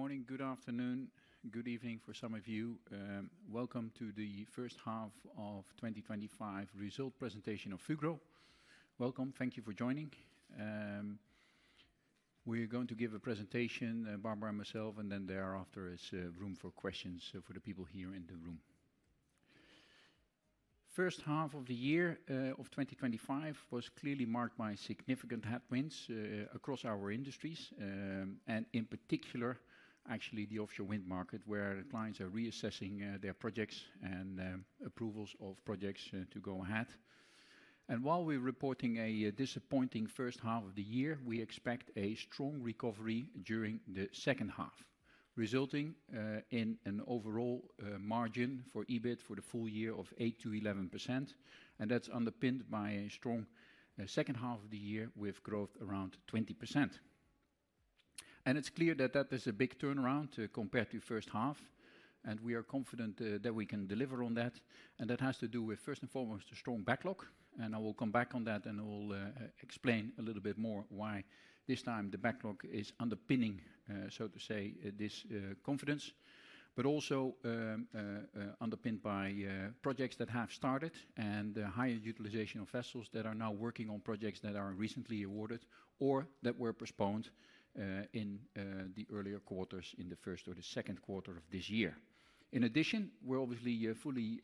Good morning, good afternoon, good evening for some of you. Welcome to the first half of 2025 result presentation of Fugro. Welcome, thank you for joining. We're going to give a presentation, Barbara and myself, and then thereafter is room for questions for the people here in the room. First half of the year of 2025 was clearly marked by significant headwinds across our industries, and in particular, actually the offshore wind market where clients are reassessing their projects and approvals of projects to go ahead. While we're reporting a disappointing first half of the year, we expect a strong recovery during the second half, resulting in an overall margin for EBIT for the full year of 8%-11%. That's underpinned by a strong second half of the year with growth around 20%. It's clear that that is a big turnaround compared to the first half. We are confident that we can deliver on that. That has to do with, first and foremost, a strong backlog. I will come back on that and I will explain a little bit more why this time the backlog is underpinning, so to say, this confidence. Also, underpinned by projects that have started and the higher utilization of vessels that are now working on projects that are recently awarded or that were postponed in the earlier quarters in the first or the second quarter of this year. In addition, we're obviously fully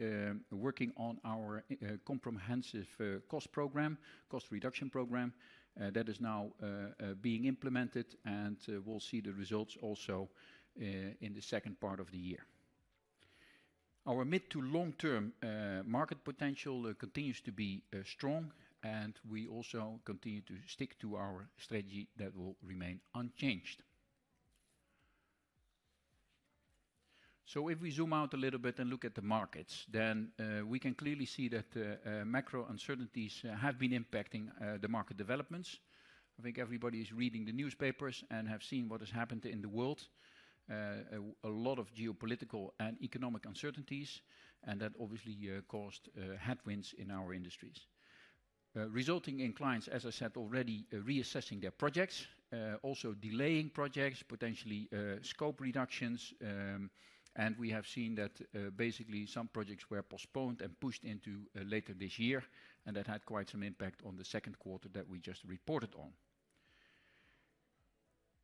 working on our comprehensive cost program, cost reduction program, that is now being implemented and we'll see the results also in the second part of the year. Our mid to long term market potential continues to be strong and we also continue to stick to our strategy that will remain unchanged. If we zoom out a little bit and look at the markets, then we can clearly see that macro uncertainties have been impacting the market developments. I think everybody is reading the newspapers and has seen what has happened in the world. A lot of geopolitical and economic uncertainties, and that obviously caused headwinds in our industries, resulting in clients, as I said already, reassessing their projects, also delaying projects, potentially, scope reductions. We have seen that basically some projects were postponed and pushed into later this year, and that had quite some impact on the second quarter that we just reported on.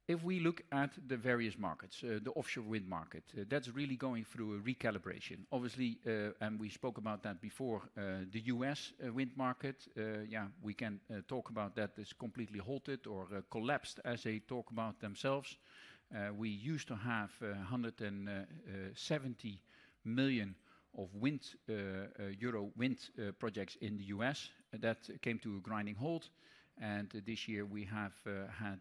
If we look at the various markets, the offshore wind market, that's really going through a recalibration. Obviously, and we spoke about that before, the U.S. wind market, yeah, we can talk about that. It's completely halted or collapsed, as they talk about themselves. We used to have 170 million euro of wind projects in the U.S. That came to a grinding halt. This year we have had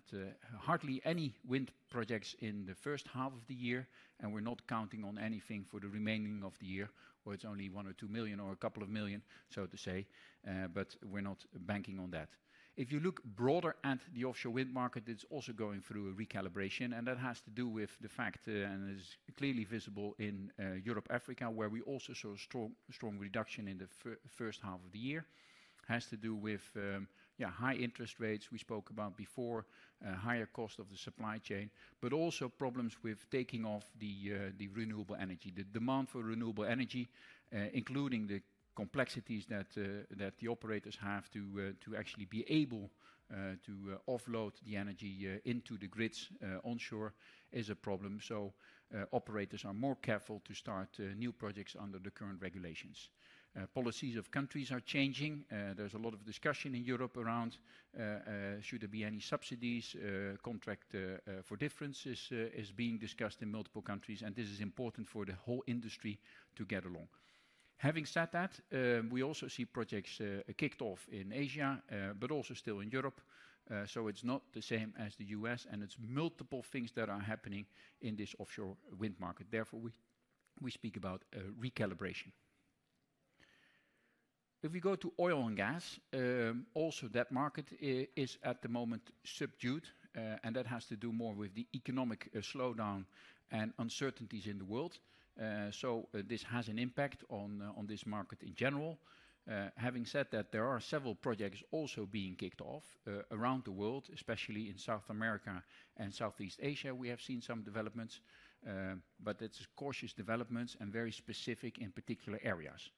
hardly any wind projects in the first half of the year, and we're not counting on anything for the remainder of the year, or it's only 1 million or 2 million or a couple of million, so to say, but we're not banking on that. If you look broader at the offshore wind market, it's also going through a recalibration, and that has to do with the fact, and it's clearly visible in Europe, Africa, where we also saw a strong reduction in the first half of the year. It has to do with high interest rates we spoke about before, a higher cost of the supply chain, but also problems with taking off the renewable energy. The demand for renewable energy, including the complexities that the operators have to actually be able to offload the energy into the grids onshore, is a problem. Operators are more careful to start new projects under the current regulations. Policies of countries are changing. There's a lot of discussion in Europe around, should there be any subsidies? Contract for differences is being discussed in multiple countries, and this is important for the whole industry to get along. Having said that, we also see projects kicked off in Asia, but also still in Europe. It's not the same as the U.S., and it's multiple things that are happening in this offshore wind market. Therefore, we speak about a recalibration. If we go to oil & gas, also that market is at the moment subdued, and that has to do more with the economic slowdown and uncertainties in the world. This has an impact on this market in general. Having said that, there are several projects also being kicked off around the world, especially in South America and Southeast Asia. We have seen some developments, but it's cautious developments and very specific in particular areas.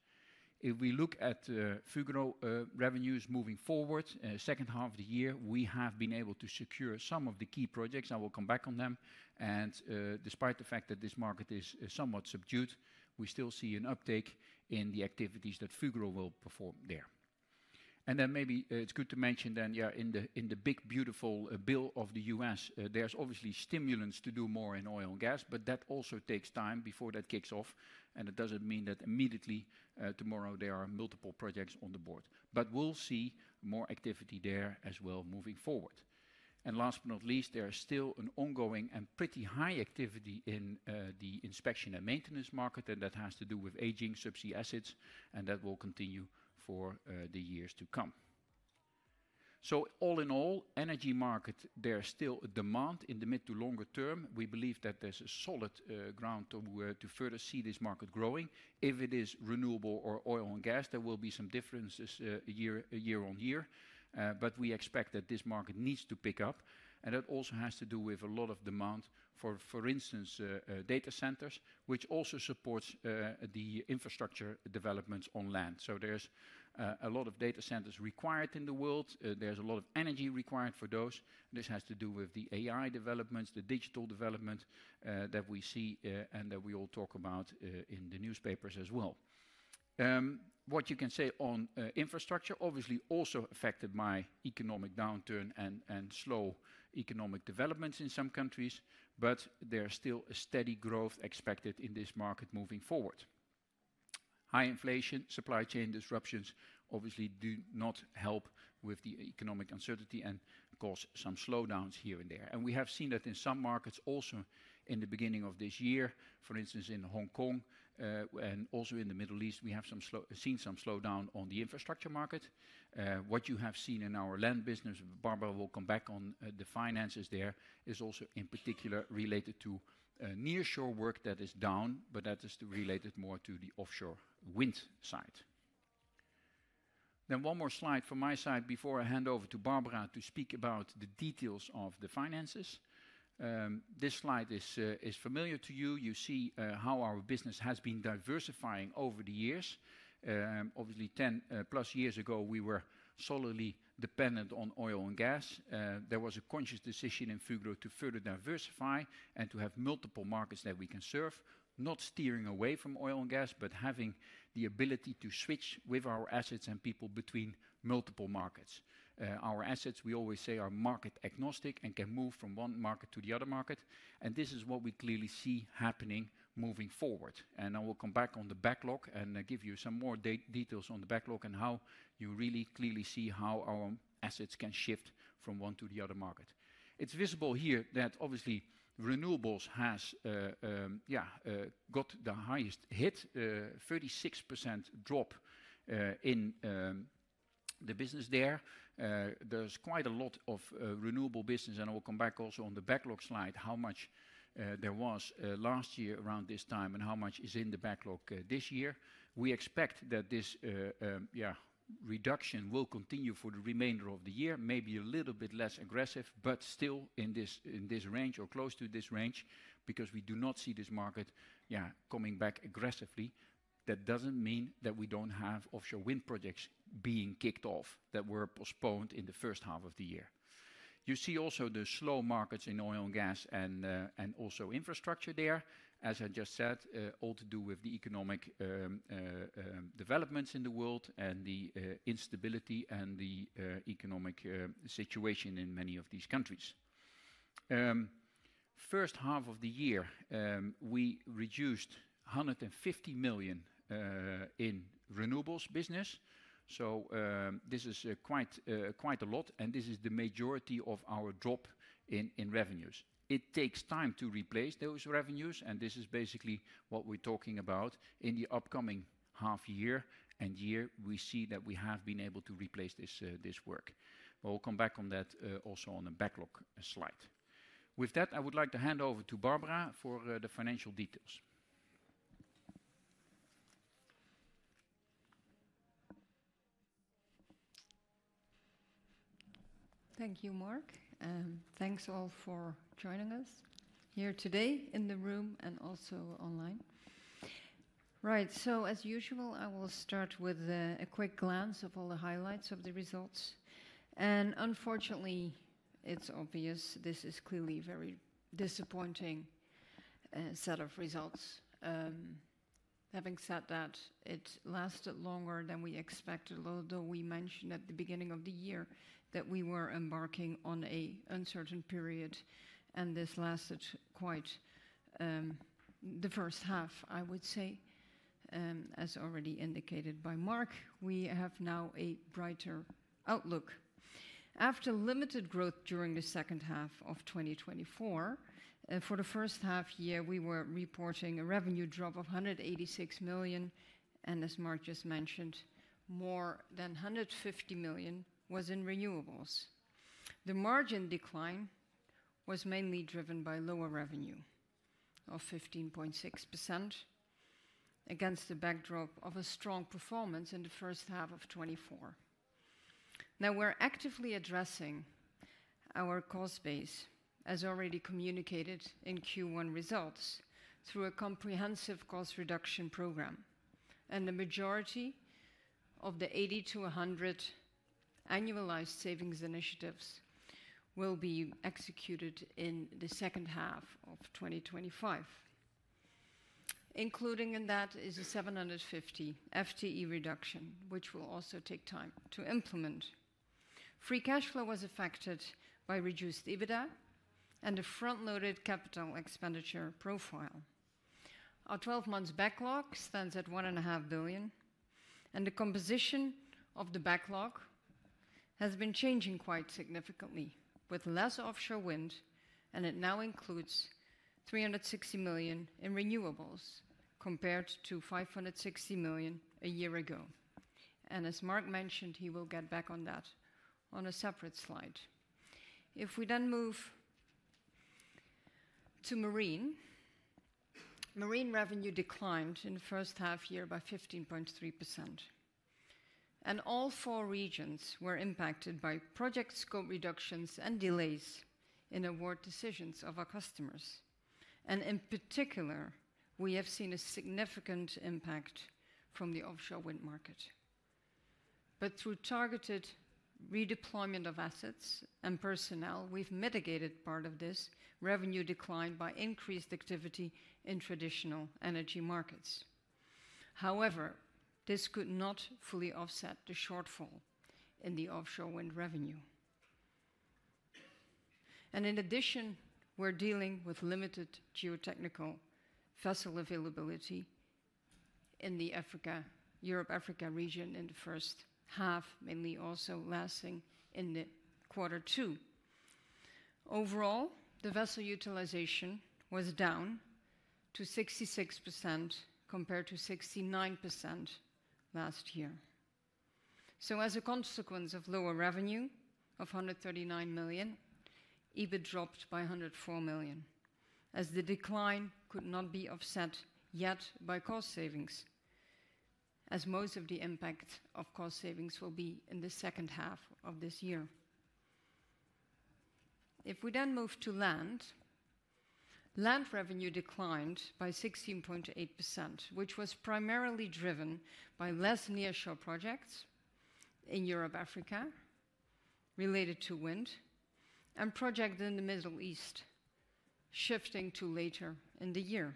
If we look at Fugro revenues moving forward, the second half of the year, we have been able to secure some of the key projects. I will come back on them. Despite the fact that this market is somewhat subdued, we still see an uptick in the activities that Fugro will perform there. Maybe it's good to mention, in the Big Beautiful Bill of the U.S., there's obviously stimulants to do more in oil & gas, but that also takes time before that kicks off. It doesn't mean that immediately tomorrow there are multiple projects on the board. We'll see more activity there as well moving forward. Last but not least, there is still an ongoing and pretty high activity in the inspection and maintenance market, and that has to do with aging subsea assets, and that will continue for the years to come. All in all, the energy market, there's still a demand in the mid to longer term. We believe that there's a solid ground to further see this market growing. If it is renewables or oil & gas, there will be some differences year on year, but we expect that this market needs to pick up. That also has to do with a lot of demand for, for instance, data centers, which also support the infrastructure developments on land. There's a lot of data centers required in the world. There's a lot of energy required for those. This has to do with the AI developments, the digital development that we see and that we all talk about in the newspapers as well. What you can say on infrastructure obviously is also affected by economic downturn and slow economic developments in some countries, but there's still a steady growth expected in this market moving forward. High inflation and supply chain disruptions obviously do not help with the economic uncertainty and cause some slowdowns here and there. We have seen that in some markets also in the beginning of this year, for instance, in Hong Kong and also in the Middle East, we have seen some slowdown on the infrastructure market. What you have seen in our land business, Barbara will come back on the finances there, is also in particular related to nearshore work that is down, but that is related more to the offshore wind side. One more slide from my side before I hand over to Barbara to speak about the details of the finances. This slide is familiar to you. You see how our business has been diversifying over the years. Obviously, 10+ years ago, we were solidly dependent on oil & gas. There was a conscious decision in Fugro to further diversify and to have multiple markets that we can serve, not steering away from oil & gas, but having the ability to switch with our assets and people between multiple markets. Our assets, we always say, are market agnostic and can move from one market to the other market. This is what we clearly see happening moving forward. I will come back on the backlog and give you some more details on the backlog and how you really clearly see how our assets can shift from one to the other market. It's visible here that obviously renewables has, yeah, got the highest hit, 36% drop in the business there. There's quite a lot of renewable business, and I will come back also on the backlog slide, how much there was last year around this time and how much is in the backlog this year. We expect that this, yeah, reduction will continue for the remainder of the year, maybe a little bit less aggressive, but still in this range or close to this range because we do not see this market, yeah, coming back aggressively. That doesn't mean that we don't have offshore wind projects being kicked off that were postponed in the first half of the year. You see also the slow markets in oil & gas and also infrastructure there, as I just said, all to do with the economic developments in the world and the instability and the economic situation in many of these countries. First half of the year, we reduced 150 million in renewables business. This is quite a lot, and this is the majority of our drop in revenues. It takes time to replace those revenues, and this is basically what we're talking about in the upcoming half year and year. We see that we have been able to replace this work. I will come back on that also on a backlog slide. With that, I would like to hand over to Barbara for the financial details. Thank you, Mark. Thanks all for joining us here today in the room and also online. Right, so as usual, I will start with a quick glance of all the highlights of the results. Unfortunately, it's obvious this is clearly a very disappointing set of results. Having said that, it lasted longer than we expected, although we mentioned at the beginning of the year that we were embarking on an uncertain period, and this lasted quite the first half, I would say. As already indicated by Mark, we have now a brighter outlook. After limited growth during the second half of 2024, for the first half year, we were reporting a revenue drop of 186 million, and as Mark just mentioned, more than 150 million was in renewables. The margin decline was mainly driven by lower revenue of 15.6% against the backdrop of a strong performance in the first half of 2024. Now, we're actively addressing our cost base, as already communicated in Q1 results, through a comprehensive cost reduction program. The majority of the 80 million-100 million annualized savings initiatives will be executed in the second half of 2025. Included in that is a 750 FTE reduction, which will also take time to implement. Free cash flow was affected by reduced EBITDA and a front-loaded capital expenditure profile. Our 12-month backlog stands at 1.5 billion, and the composition of the backlog has been changing quite significantly, with less offshore wind, and it now includes 360 million in renewables compared to 560 million a year ago. As Mark mentioned, he will get back on that on a separate slide. If we then move to marine, marine revenue declined in the first half year by 15.3%. All four regions were impacted by project scope reductions and delays in award decisions of our customers. In particular, we have seen a significant impact from the offshore wind market. Through targeted redeployment of assets and personnel, we've mitigated part of this revenue decline by increased activity in traditional energy markets. However, this could not fully offset the shortfall in the offshore wind revenue. In addition, we're dealing with limited geotechnical vessel availability in the Europe, Africa region in the first half, mainly also lasting in quarter two. Overall, the vessel utilization was down to 66% compared to 69% last year. As a consequence of lower revenue of 139 million, EBIT dropped by 104 million, as the decline could not be offset yet by cost savings, as most of the impact of cost savings will be in the second half of this year. If we then move to land, land revenue declined by 16.8%, which was primarily driven by less nearshore projects in Europe, Africa related to wind, and projects in the Middle East, shifting to later in the year.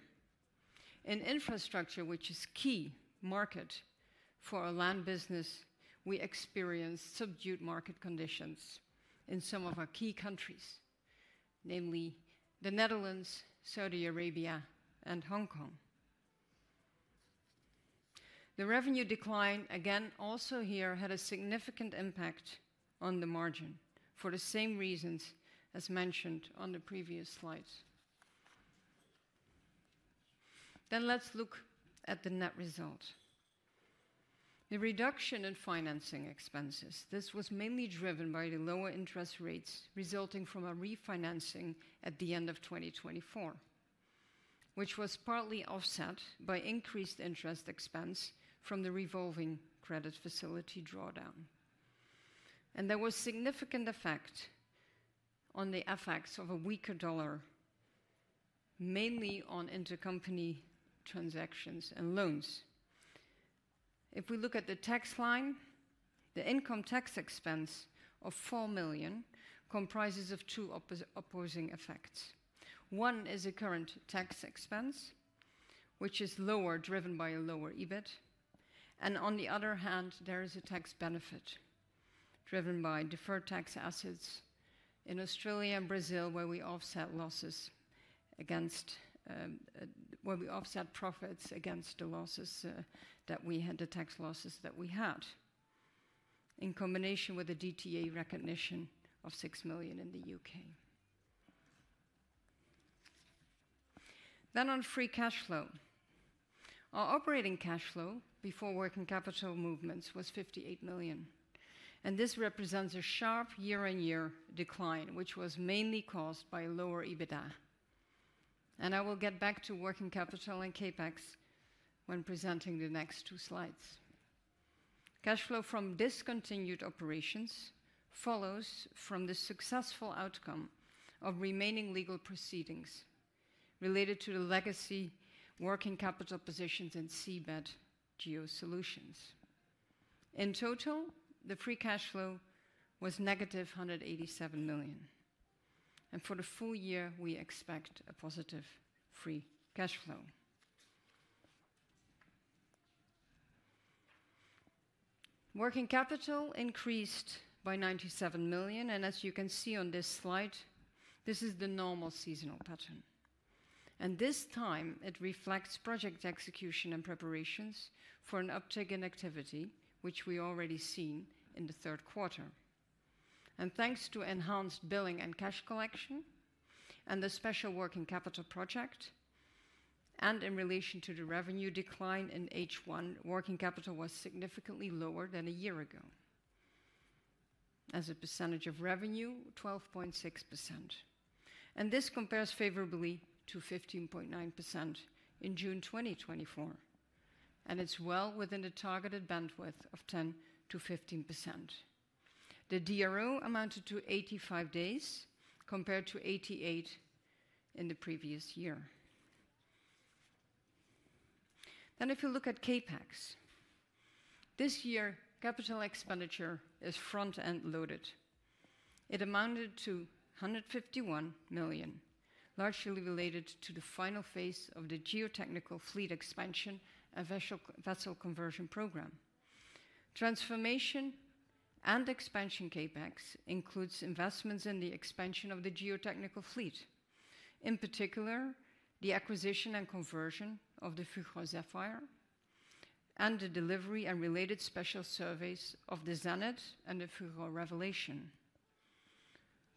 In infrastructure, which is a key market for our land business, we experienced subdued market conditions in some of our key countries, namely the Netherlands, Saudi Arabia, and Hong Kong. The revenue decline, again, also here had a significant impact on the margin for the same reasons as mentioned on the previous slides. Let's look at the net result. The reduction in financing expenses was mainly driven by the lower interest rates resulting from our refinancing at the end of 2024, which was partly offset by increased interest expense from the revolving credit facility drawdown. There was a significant effect on the effects of a weaker dollar, mainly on intercompany transactions and loans. If we look at the tax line, the income tax expense of 4 million comprises two opposing effects. One is a current tax expense, which is lower driven by a lower EBIT, and on the other hand, there is a tax benefit driven by deferred tax assets in Australia and Brazil, where we offset profits against the losses that we had, the tax losses that we had, in combination with a DTA recognition of 6 million in the UK. On free cash flow, our operating cash flow before working capital movements was 58 million. This represents a sharp year-on-year decline, which was mainly caused by lower EBITDA. I will get back to working capital and capex when presenting the next two slides. Cash flow from discontinued operations follows from the successful outcome of remaining legal proceedings related to the legacy working capital positions in Seabed Geosolutions. In total, the free cash flow was negative 187 million. For the full year, we expect a positive free cash flow. Working capital increased by 97 million, and as you can see on this slide, this is the normal seasonal pattern. This time, it reflects project execution and preparations for an uptick in activity, which we already seen in the third quarter. Thanks to enhanced billing and cash collection and the special working capital project, in relation to the revenue decline in H1, working capital was significantly lower than a year ago. As a percentage of revenue, 12.6%. This compares favorably to 15.9% in June 2024, and it's well within the targeted bandwidth of 10% to 15%. The DRO amounted to 85 days compared to 88 in the previous year. If you look at CapEx, this year, capital expenditure is front-end loaded. It amounted to 151 million, largely related to the final phase of the geotechnical fleet expansion and vessel conversion program. Transformation and expansion CapEx includes investments in the expansion of the geotechnical fleet, in particular, the acquisition and conversion of the Fugro Zephyr and the delivery and related special surveys of the Zenith and the Fugro Revelation.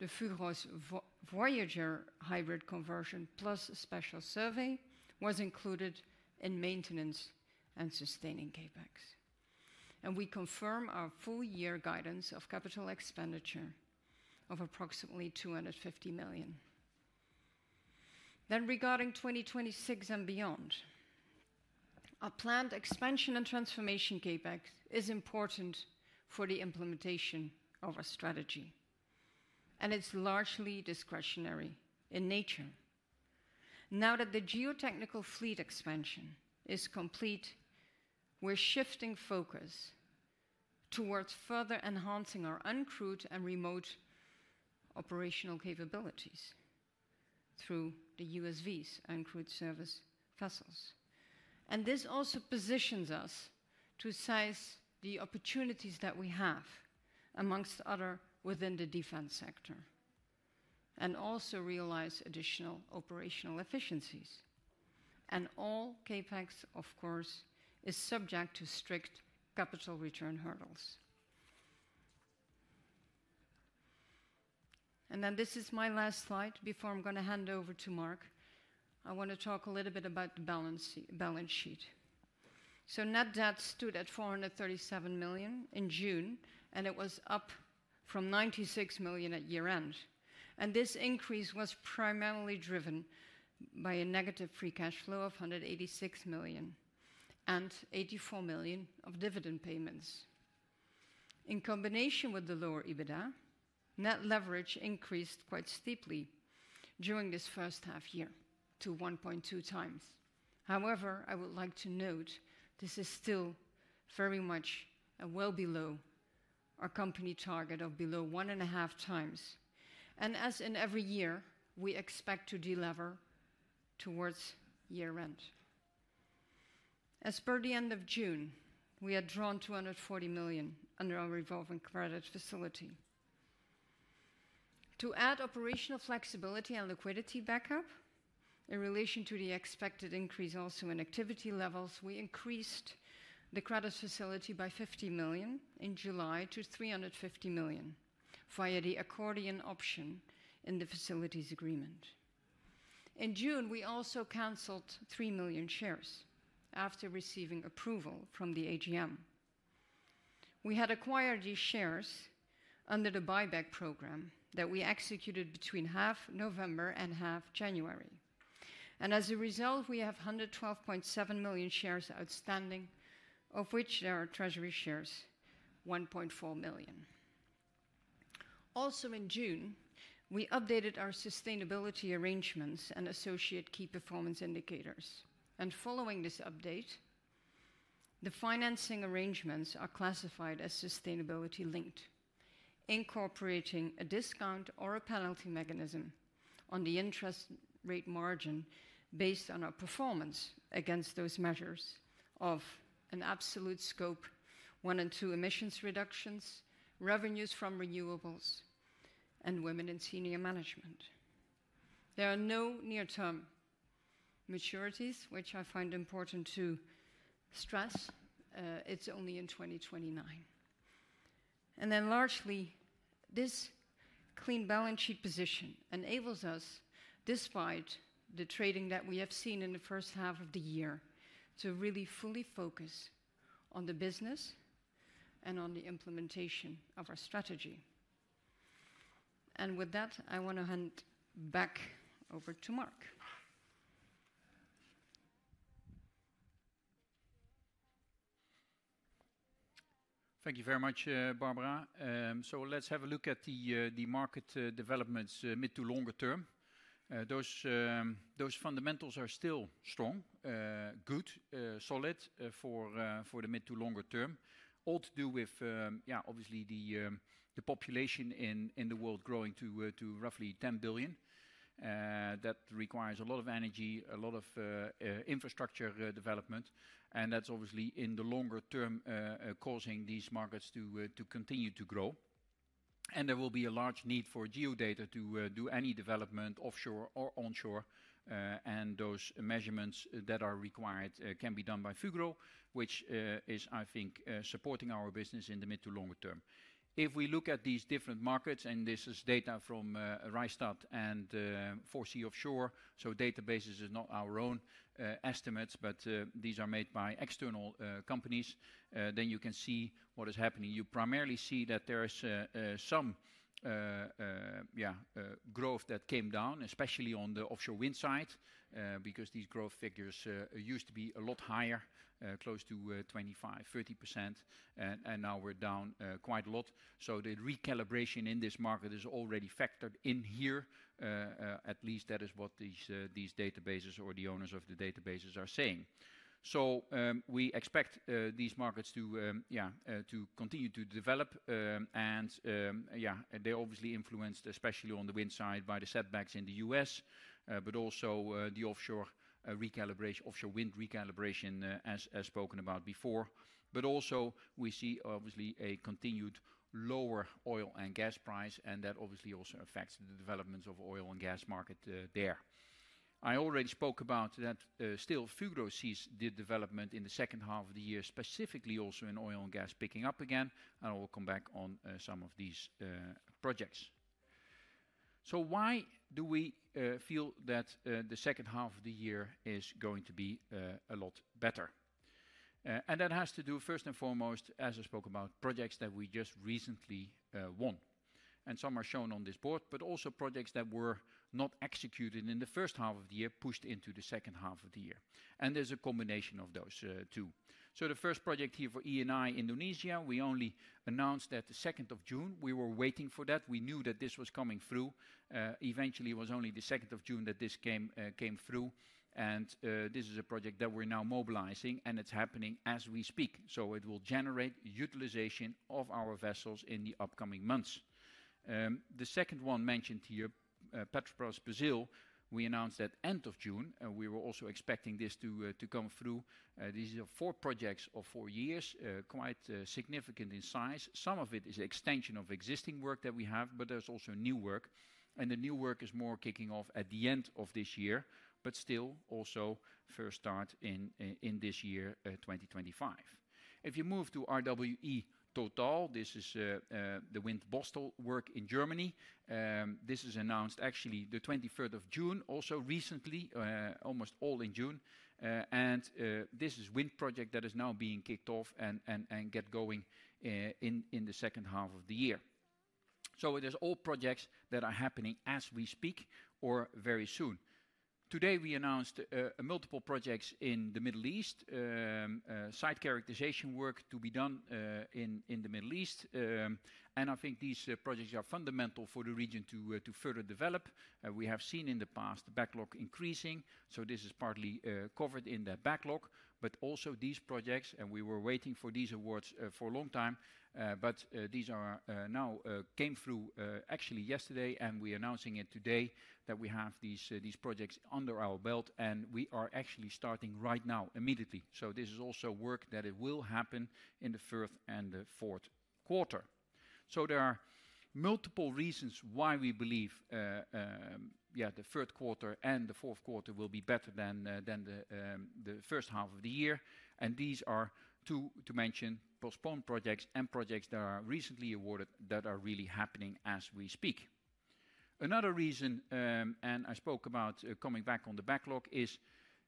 The Fugro Voyager hybrid conversion plus special survey was included in maintenance and sustaining CapEx. We confirm our full year guidance of capital expenditure of approximately 250 million. Regarding 2026 and beyond, our planned expansion and transformation CapEx is important for the implementation of our strategy, and it's largely discretionary in nature. Now that the geotechnical fleet expansion is complete, we're shifting focus towards further enhancing our uncrewed and remote operational capabilities through the USVs, uncrewed surface vessels. This also positions us to size the opportunities that we have, amongst others, within the defense sector, and also realize additional operational efficiencies. All CapEx, of course, is subject to strict capital return hurdles. This is my last slide before I'm going to hand over to Mark. I want to talk a little bit about the balance sheet. Net debt stood at 437 million in June, and it was up from 96 million at year-end. This increase was primarily driven by a negative free cash flow of 186 million and 84 million of dividend payments. In combination with the lower EBITDA, net leverage increased quite steeply during this first half year to 1.2x. However, I would like to note this is still very much well below our company target of below 1.5x. As in every year, we expect to delever towards year-end. As per the end of June, we had drawn 240 million under our revolving credit facility. To add operational flexibility and liquidity backup, in relation to the expected increase also in activity levels, we increased the credit facility by 50 million in July to 350 million via the accordion option in the facilities agreement. In June, we also canceled 3 million shares after receiving approval from the AGM. We had acquired these shares under the buyback program that we executed between half November and half January. As a result, we have 112.7 million shares outstanding, of which there are treasury shares 1.4 million. Also in June, we updated our sustainability arrangements and associate key performance indicators. Following this update, the financing arrangements are classified as sustainability linked, incorporating a discount or a penalty mechanism on the interest rate margin based on our performance against those measures of an absolute scope, one and two emissions reductions, revenues from renewables, and women in senior management. There are no near-term maturities, which I find important to stress. It's only in 2029. Largely, this clean balance sheet position enables us, despite the trading that we have seen in the first half of the year, to really fully focus on the business and on the implementation of our strategy. With that, I want to hand back over to Mark. Thank you very much, Barbara. Let's have a look at the market developments mid to longer term. Those fundamentals are still strong, good, solid for the mid to longer term. All to do with, obviously, the population in the world growing to roughly 10 billion. That requires a lot of energy, a lot of infrastructure development. That's obviously in the longer term causing these markets to continue to grow. There will be a large need for geodata to do any development offshore or onshore. Those measurements that are required can be done by Fugro, which is, I think, supporting our business in the mid to longer term. If we look at these different markets, and this is data from Rystad and Foresea Offshore, so databases are not our own estimates, but these are made by external companies, you can see what is happening. You primarily see that there is some growth that came down, especially on the offshore wind side, because these growth figures used to be a lot higher, close to 25%, 30%. Now we're down quite a lot. The recalibration in this market is already factored in here. At least that is what these databases or the owners of the databases are saying. We expect these markets to continue to develop. They're obviously influenced, especially on the wind side, by the setbacks in the U.S., but also the offshore wind recalibration, as spoken about before. We also see a continued lower oil and gas price, and that obviously also affects the developments of the oil and gas market there. I already spoke about that. Still, Fugro sees the development in the second half of the year, specifically also in oil and gas picking up again. I will come back on some of these projects. Why do we feel that the second half of the year is going to be a lot better? That has to do, first and foremost, as I spoke about, with projects that we just recently won. Some are shown on this board, but also projects that were not executed in the first half of the year, pushed into the second half of the year. There's a combination of those two. The first project here for ENI Indonesia, we only announced that the 2nd of June. We were waiting for that. We knew that this was coming through. Eventually, it was only the 2nd of June that this came through. This is a project that we're now mobilizing, and it's happening as we speak. It will generate utilization of our vessels in the upcoming months. The second one mentioned here, Petrobras Brazil, we announced at the end of June, and we were also expecting this to come through. These are four projects of four years, quite significant in size. Some of it is an extension of existing work that we have, but there's also new work. The new work is more kicking off at the end of this year, but still also first start in this year, 2025. If you move to RWE Total, this is the wind Bostel work in Germany. This is announced actually the 23rd of June, also recently, almost all in June. This is a wind project that is now being kicked off and gets going in the second half of the year. These are all projects that are happening as we speak or very soon. Today, we announced multiple projects in the Middle East, site characterization work to be done in the Middle East. I think these projects are fundamental for the region to further develop. We have seen in the past the backlog increasing. This is partly covered in that backlog, but also these projects, and we were waiting for these awards for a long time, but these are now came through actually yesterday, and we are announcing it today that we have these projects under our belt, and we are actually starting right now immediately. This is also work that will happen in the first and the fourth quarter. There are multiple reasons why we believe, yeah, the third quarter and the fourth quarter will be better than the first half of the year. These are two to mention postponed projects and projects that are recently awarded that are really happening as we speak. Another reason, and I spoke about coming back on the backlog, is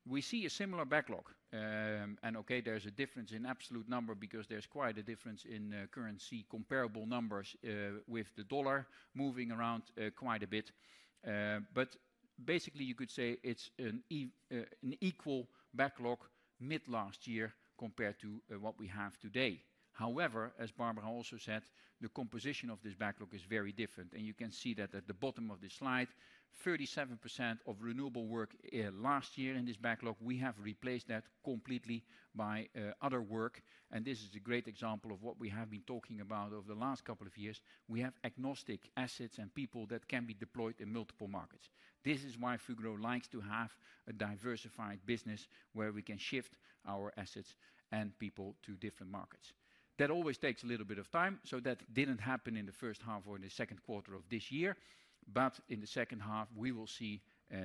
we see a similar backlog. There's a difference in absolute number because there's quite a difference in currency comparable numbers with the dollar moving around quite a bit. Basically, you could say it's an equal backlog mid-last year compared to what we have today. However, as Barbara also said, the composition of this backlog is very different. You can see that at the bottom of this slide, 37% of renewable work last year in this backlog, we have replaced that completely by other work. This is a great example of what we have been talking about over the last couple of years. We have agnostic assets and people that can be deployed in multiple markets. This is why Fugro likes to have a diversified business where we can shift our assets and people to different markets. That always takes a little bit of time, so that didn't happen in the first half or in the second quarter of this year. In the second half, we will see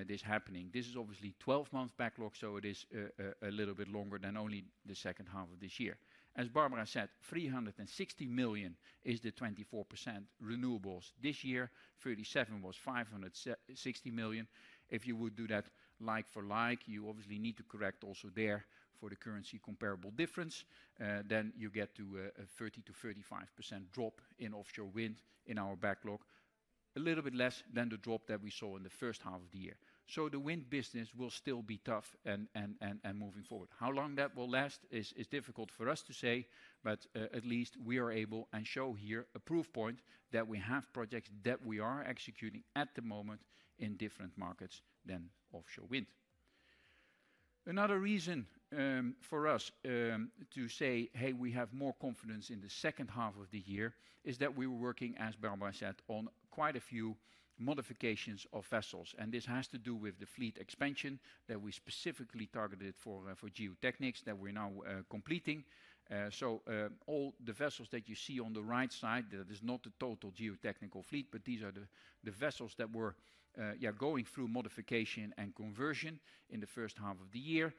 this happening. This is obviously a 12-month backlog, so it is a little bit longer than only the second half of this year. As Barbara said, 360 million is the 24% renewables this year. Last year was 560 million. If you would do that like for like, you obviously need to correct also there for the currency comparable difference. Then you get to a 30%-35% drop in offshore wind in our backlog, a little bit less than the drop that we saw in the first half of the year. The wind business will still be tough and moving forward. How long that will last is difficult for us to say, but at least we are able to show here a proof point that we have projects that we are executing at the moment in different markets than offshore wind. Another reason for us to say, hey, we have more confidence in the second half of the year is that we were working, as Barbara said, on quite a few modifications of vessels. This has to do with the fleet expansion that we specifically targeted for geotechnics that we're now completing. All the vessels that you see on the right side, that is not the total geotechnical fleet, but these are the vessels that were going through modification and conversion in the first half of the year.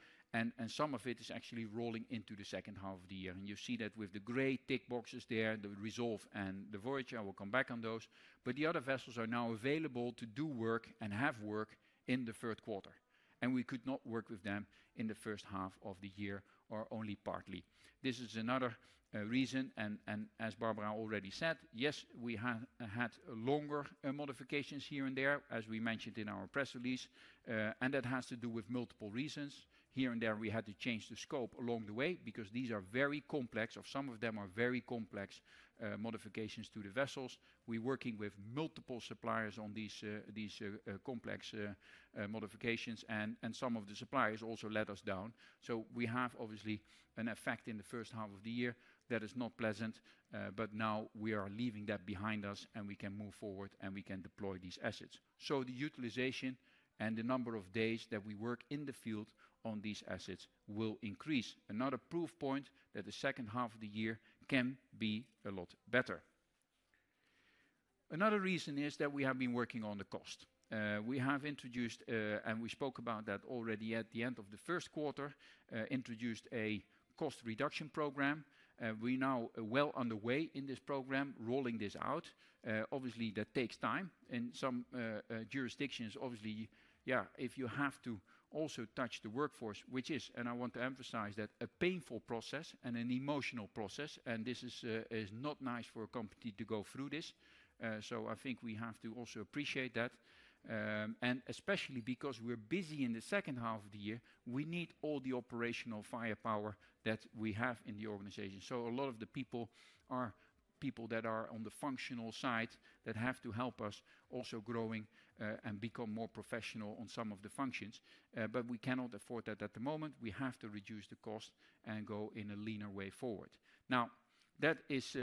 Some of it is actually rolling into the second half of the year. You see that with the gray tick boxes there, the Resolve and the Voyager, I will come back on those. The other vessels are now available to do work and have work in the third quarter. We could not work with them in the first half of the year or only partly. This is another reason. As Barbara already said, yes, we had longer modifications here and there, as we mentioned in our press release. That has to do with multiple reasons. Here and there, we had to change the scope along the way because these are very complex, or some of them are very complex modifications to the vessels. We are working with multiple suppliers on these complex modifications, and some of the suppliers also let us down. We have obviously an effect in the first half of the year that is not pleasant, but now we are leaving that behind us, and we can move forward, and we can deploy these assets. The utilization and the number of days that we work in the field on these assets will increase. Another proof point that the second half of the year can be a lot better. Another reason is that we have been working on the cost. We have introduced, and we spoke about that already at the end of the first quarter, introduced a cost reduction program. We're now well underway in this program, rolling this out. Obviously, that takes time. In some jurisdictions, if you have to also touch the workforce, which is, and I want to emphasize that, a painful process and an emotional process, this is not nice for a company to go through this. I think we have to also appreciate that. Especially because we're busy in the second half of the year, we need all the operational firepower that we have in the organization. A lot of the people are people that are on the functional sides that have to help us also grow and become more professional on some of the functions. We cannot afford that at the moment. We have to reduce the cost and go in a leaner way forward. Now, that is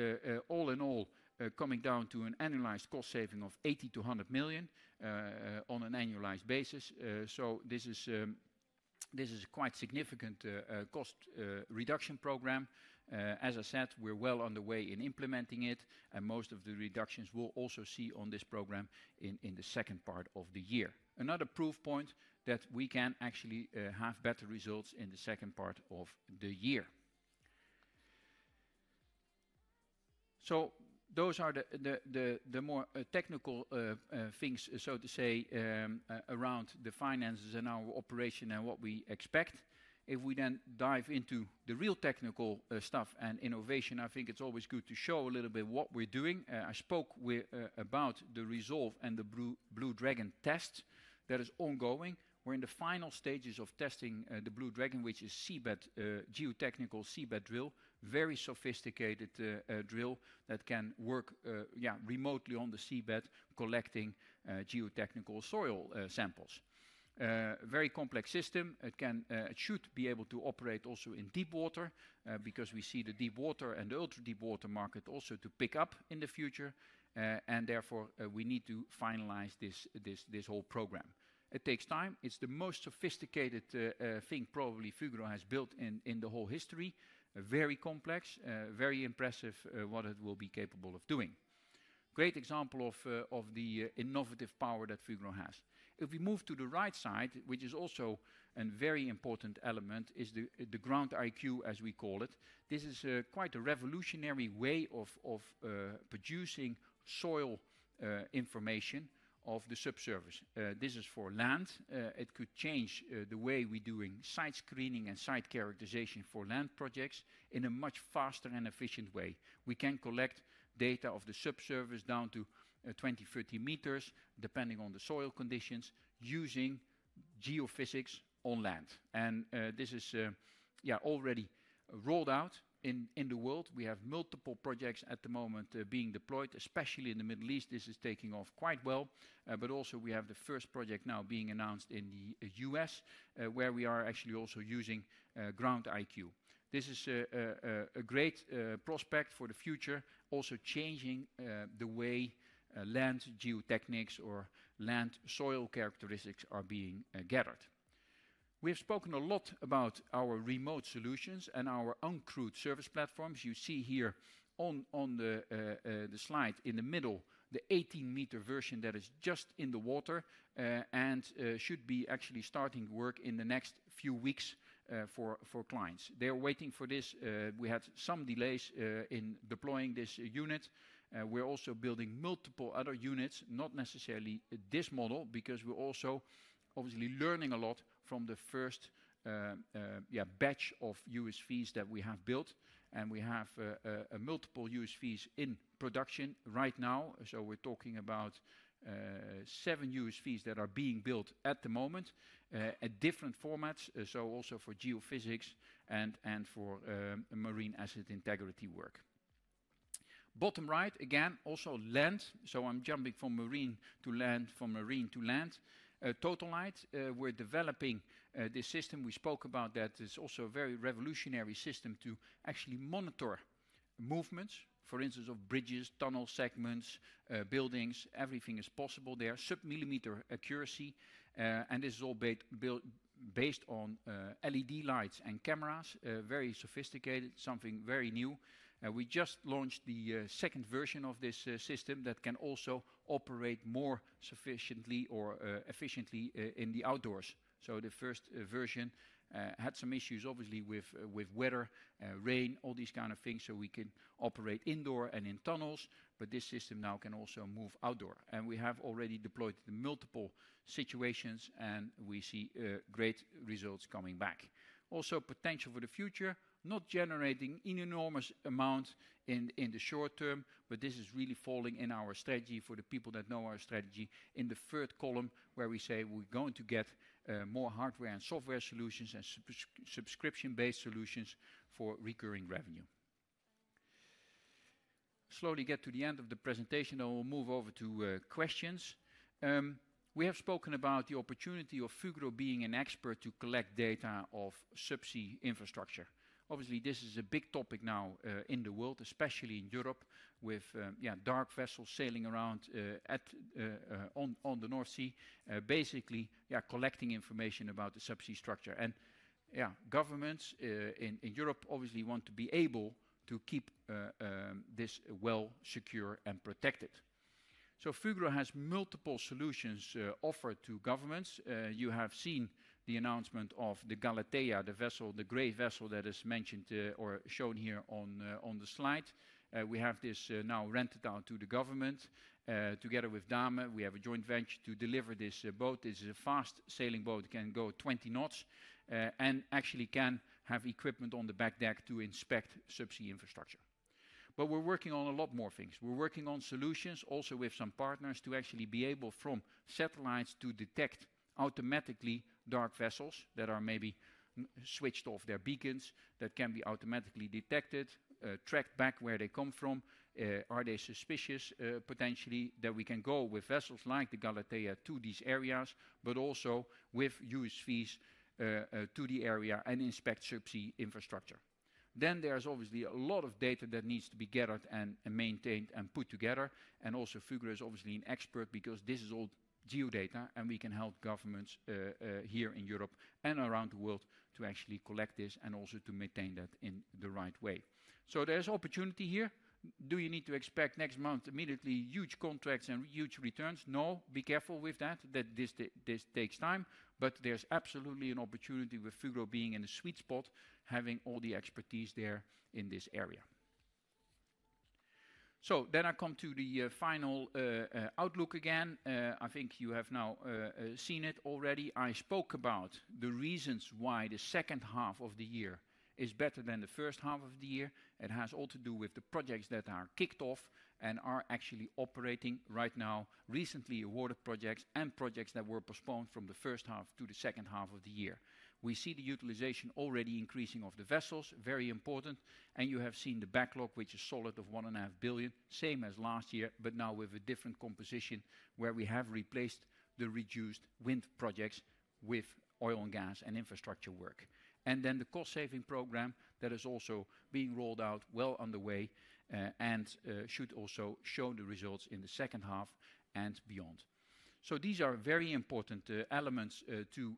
all in all coming down to an annualized cost saving of 80 million-100 million on an annualized basis. This is a quite significant cost reduction program. As I said, we're well underway in implementing it, and most of the reductions we'll also see on this program in the second part of the year. Another proof point that we can actually have better results in the second part of the year. Those are the more technical things, so to say, around the finances and our operation and what we expect. If we then dive into the real technical stuff and innovation, I think it's always good to show a little bit what we're doing. I spoke about the Resolve and the Blue Dragon test that is ongoing. We're in the final stages of testing the Blue Dragon, which is a geotechnical seabed drill, a very sophisticated drill that can work remotely on the seabed, collecting geotechnical soil samples. A very complex system. It should be able to operate also in deep water because we see the deep water and ultra-deep water market also to pick up in the future. Therefore, we need to finalize this whole program. It takes time. It's the most sophisticated thing probably Fugro has built in the whole history. Very complex, very impressive what it will be capable of doing. Great example of the innovative power that Fugro has. If we move to the right side, which is also a very important element, is the GroundIQ, as we call it. This is quite a revolutionary way of producing soil information of the subsurface. This is for land. It could change the way we're doing site screening and site characterization for land projects in a much faster and efficient way. We can collect data of the subsurface down to 20, 30 meters, depending on the soil conditions, using geophysics on land. This is already rolled out in the world. We have multiple projects at the moment being deployed, especially in the Middle East. This is taking off quite well. We also have the first project now being announced in the U.S., where we are actually also using GroundIQ. This is a great prospect for the future, also changing the way land geotechnics or land soil characteristics are being gathered. We've spoken a lot about our remote solutions and our uncrewed surface vessels. You see here on the slide in the middle, the 18-meter version that is just in the water and should be actually starting to work in the next few weeks for clients. They're waiting for this. We had some delays in deploying this unit. We're also building multiple other units, not necessarily this model, because we're also obviously learning a lot from the first batch of USVs that we have built. We have multiple USVs in production right now. We're talking about seven USVs that are being built at the moment at different formats, also for geophysics and for marine asset integrity work. Bottom right, again, also land. I'm jumping from marine to land, from marine to land. Total Light, we're developing this system we spoke about that is also a very revolutionary system to actually monitor movements, for instance, of bridges, tunnel segments, buildings. Everything is possible there, sub-millimeter accuracy. This is all built based on LED lights and cameras, very sophisticated, something very new. We just launched the second version of this system that can also operate more sufficiently or efficiently in the outdoors. The first version had some issues, obviously, with weather, rain, all these kinds of things, so we can operate indoor and in tunnels, but this system now can also move outdoor. We have already deployed in multiple situations, and we see great results coming back. Also, potential for the future, xnot generating an enormous amount in the short term, but this is really falling in our strategy for the people that know our strategy in the third column where we say we're going to get more hardware and software solutions and subscription-based solutions for recurring revenue. Slowly get to the end of the presentation, I will move over to questions. We have spoken about the opportunity of Fugro being an expert to collect data of subsea infrastructure. Obviously, this is a big topic now in the world, especially in Europe, with dark vessels sailing around on the North Sea, basically, yeah, collecting information about the subsea structure. Governments in Europe obviously want to be able to keep this well secured and protected. Fugro has multiple solutions offered to governments. You have seen the announcement of the Galatea, the vessel, the gray vessel that is mentioned or shown here on the slide. We have this now rented out to the government. Together with Damen, we have a joint venture to deliver this boat. This is a fast sailing boat. It can go 20 knots and actually can have equipment on the back deck to inspect subsea infrastructure. We're working on a lot more things. We're working on solutions also with some partners to actually be able from satellites to detect automatically dark vessels that are maybe switched off their beacons that can be automatically detected, tracked back where they come from. Are they suspicious potentially that we can go with vessels like the Galatea to these areas, but also with USVs to the area and inspect subsea infrastructure? There is obviously a lot of data that needs to be gathered and maintained and put together. Also, Fugro is obviously an expert because this is all geodata, and we can help governments here in Europe and around the world to actually collect this and also to maintain that in the right way. There is opportunity here. Do you need to expect next month immediately huge contracts and huge returns? No, be careful with that. This takes time, but there's absolutely an opportunity with Fugro being in a sweet spot, having all the expertise there in this area. I come to the final outlook again. I think you have now seen it already. I spoke about the reasons why the second half of the year is better than the first half of the year. It has all to do with the projects that are kicked off and are actually operating right now, recently awarded projects and projects that were postponed from the first half to the second half of the year. We see the utilization already increasing of the vessels, very important. You have seen the backlog, which is solid of 1.5 billion, same as last year, but now with a different composition where we have replaced the reduced wind projects with oil & gas and infrastructure work. The cost-saving program that is also being rolled out is well underway and should also show the results in the second half and beyond. These are very important elements to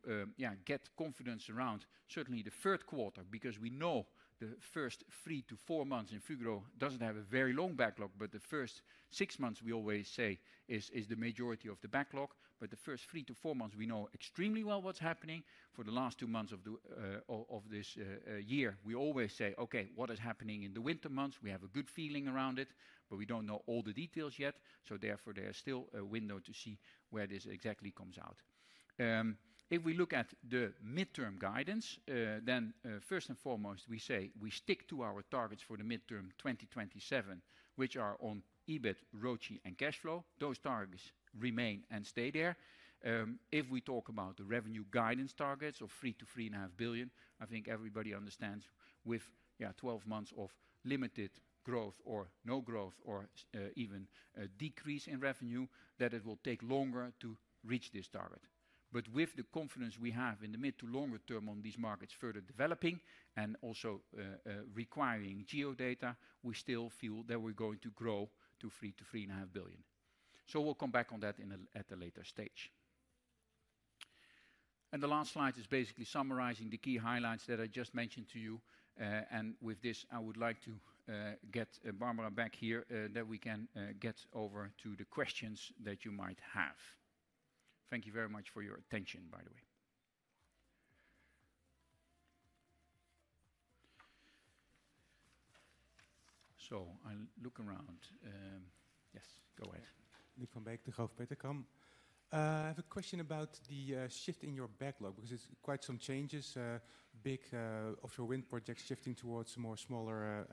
get confidence around, certainly the third quarter, because we know the first three to four months in Fugro doesn't have a very long backlog, but the first six months, we always say, is the majority of the backlog. The first three to four months, we know extremely well what's happening. For the last two months of this year, we always say, okay, what is happening in the winter months? We have a good feeling around it, but we don't know all the details yet. Therefore, there's still a window to see where this exactly comes out. If we look at the mid-term guidance, then first and foremost, we say we stick to our targets for the mid-term 2027, which are on EBIT, ROIC, and cash flow. Those targets remain and stay there. If we talk about the revenue guidance targets of 3 billion-3.5 billion, I think everybody understands with 12 months of limited growth or no growth or even a decrease in revenue, that it will take longer to reach this target. With the confidence we have in the mid to longer term on these markets further developing and also requiring geodata, we still feel that we're going to grow to 3 billion-3.5 billion. We'll come back on that at a later stage. The last slide is basically summarizing the key highlights that I just mentioned to you. With this, I would like to get Barbara back here that we can get over to the questions that you might have. Thank you very much for your attention, by the way. I look around. Yes, go ahead. Luuk van Beek, Degroof Petercam. I have a question about the shift in your backlog because it's quite some changes. Big offshore wind projects shifting towards more smaller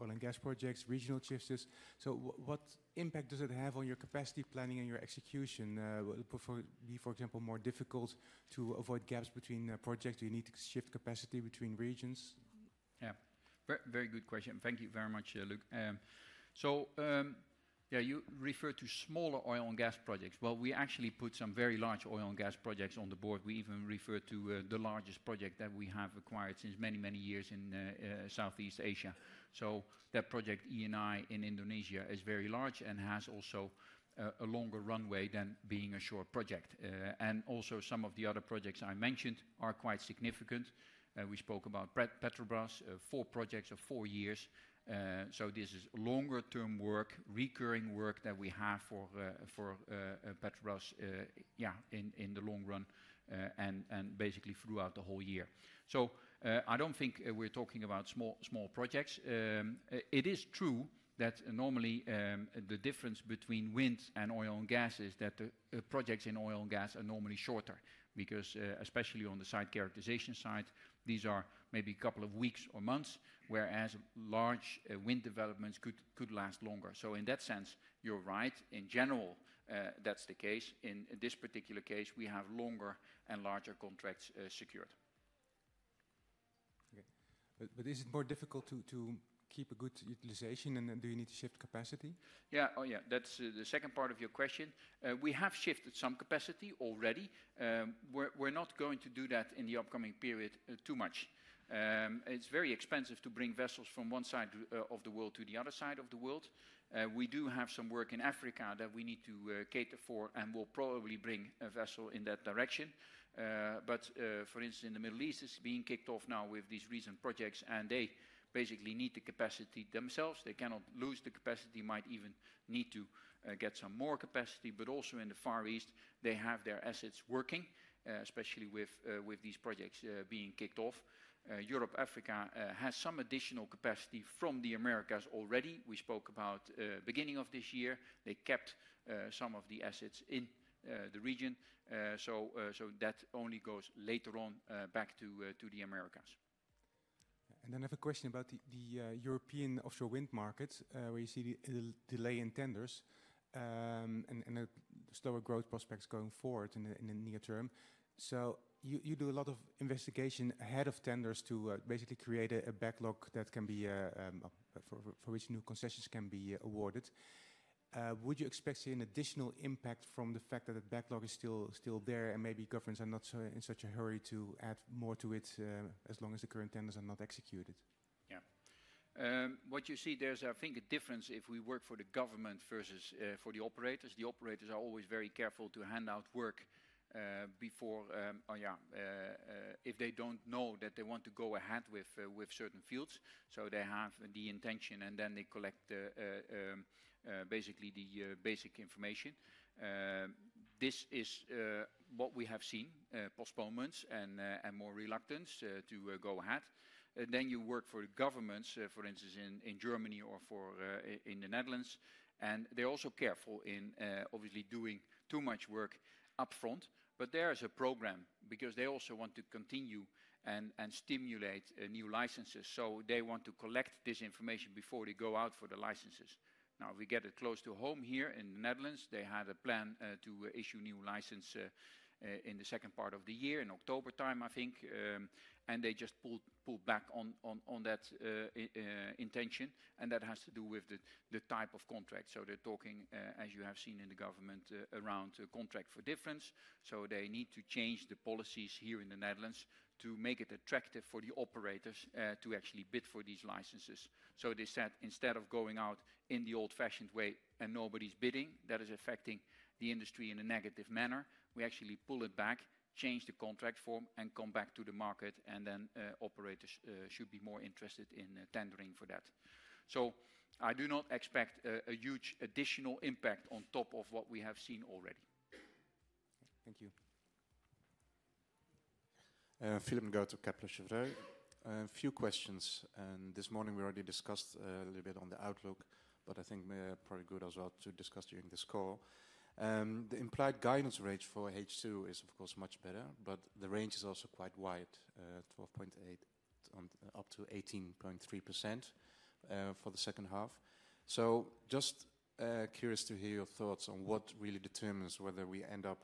oil & gas projects, regional shifts. What impact does it have on your capacity planning and your execution? Will it be, for example, more difficult to avoid gaps between projects? Do you need to shift capacity between regions? Yeah, very good question. Thank you very much, Luuk. You refer to smaller oil & gas projects. We actually put some very large oil & gas projects on the board. We even refer to the largest project that we have acquired since many, many years in Southeast Asia. That project, ENI in Indonesia, is very large and has also a longer runway than being a short project. Also, some of the other projects I mentioned are quite significant. We spoke about Petrobras, four projects of four years. This is longer-term work, recurring work that we have for Petrobras, in the long run and basically throughout the whole year. I don't think we're talking about small projects. It is true that normally the difference between wind and oil & gas is that the projects in oil & gas are normally shorter because especially on the site characterization side, these are maybe a couple of weeks or months, whereas large wind developments could last longer. In that sense, you're right. In general, that's the case. In this particular case, we have longer and larger contracts secured. Okay, is it more difficult to keep a good utilization, and do you need to shift capacity? Yeah, oh yeah, that's the second part of your question. We have shifted some capacity already. We're not going to do that in the upcoming period too much. It's very expensive to bring vessels from one side of the world to the other side of the world. We do have some work in Africa that we need to cater for and will probably bring a vessel in that direction. For instance, in the Middle East, it's being kicked off now with these recent projects and they basically need the capacity themselves. They cannot lose the capacity, might even need to get some more capacity. Also, in the Far East, they have their assets working, especially with these projects being kicked off. Europe, Africa has some additional capacity from the Americas already. We spoke about the beginning of this year. They kept some of the assets in the region. That only goes later on back to the Americas. I have a question about the European offshore wind markets we see the delay in tenders and the slower growth prospects going forward in the near term. You do a lot of investigation ahead of tenders to basically create a backlog that can be for which new concessions can be awarded. Would you expect to see an additional impact from the fact that the backlog is still there and maybe governments are not in such a hurry to add more to it as long as the current tenders are not executed? Yeah. What you see, there's I think a difference if we work for the government versus for the operators. The operators are always very careful to hand out work before, if they don't know that they want to go ahead with certain fields. They have the intention and then they collect basically the basic information. This is what we have seen, postponements and more reluctance to go ahead. When you work for governments, for instance, in Germany or in the Netherlands, they're also careful in obviously doing too much work upfront. There is a program because they also want to continue and stimulate new licenses. They want to collect this information before they go out for the licenses. Now, we get it close to home here in the Netherlands. They had a plan to issue a new license in the second part of the year, in October time, I think. They just pulled back on that intention. That has to do with the type of contract. They're talking, as you have seen in the government, around a contract for difference. They need to change the policies here in the Netherlands to make it attractive for the operators to actually bid for these licenses. They said instead of going out in the old-fashioned way and nobody's bidding, that is affecting the industry in a negative manner, we actually pull it back, change the contract form, and come back to the market. Then operators should be more interested in tendering for that. I do not expect a huge additional impact on top of what we have seen already. Thank you. Philip Ngotho Kepler Cheuvreux, a few questions. This morning we already discussed a little bit on the outlook, but I think maybe it's probably good as well to discuss during this call. The implied guidance rate for H2 is, of course, much better, but the range is also quite wide, 12.8% up to 18.3% for the second half. I'm just curious to hear your thoughts on what really determines whether we end up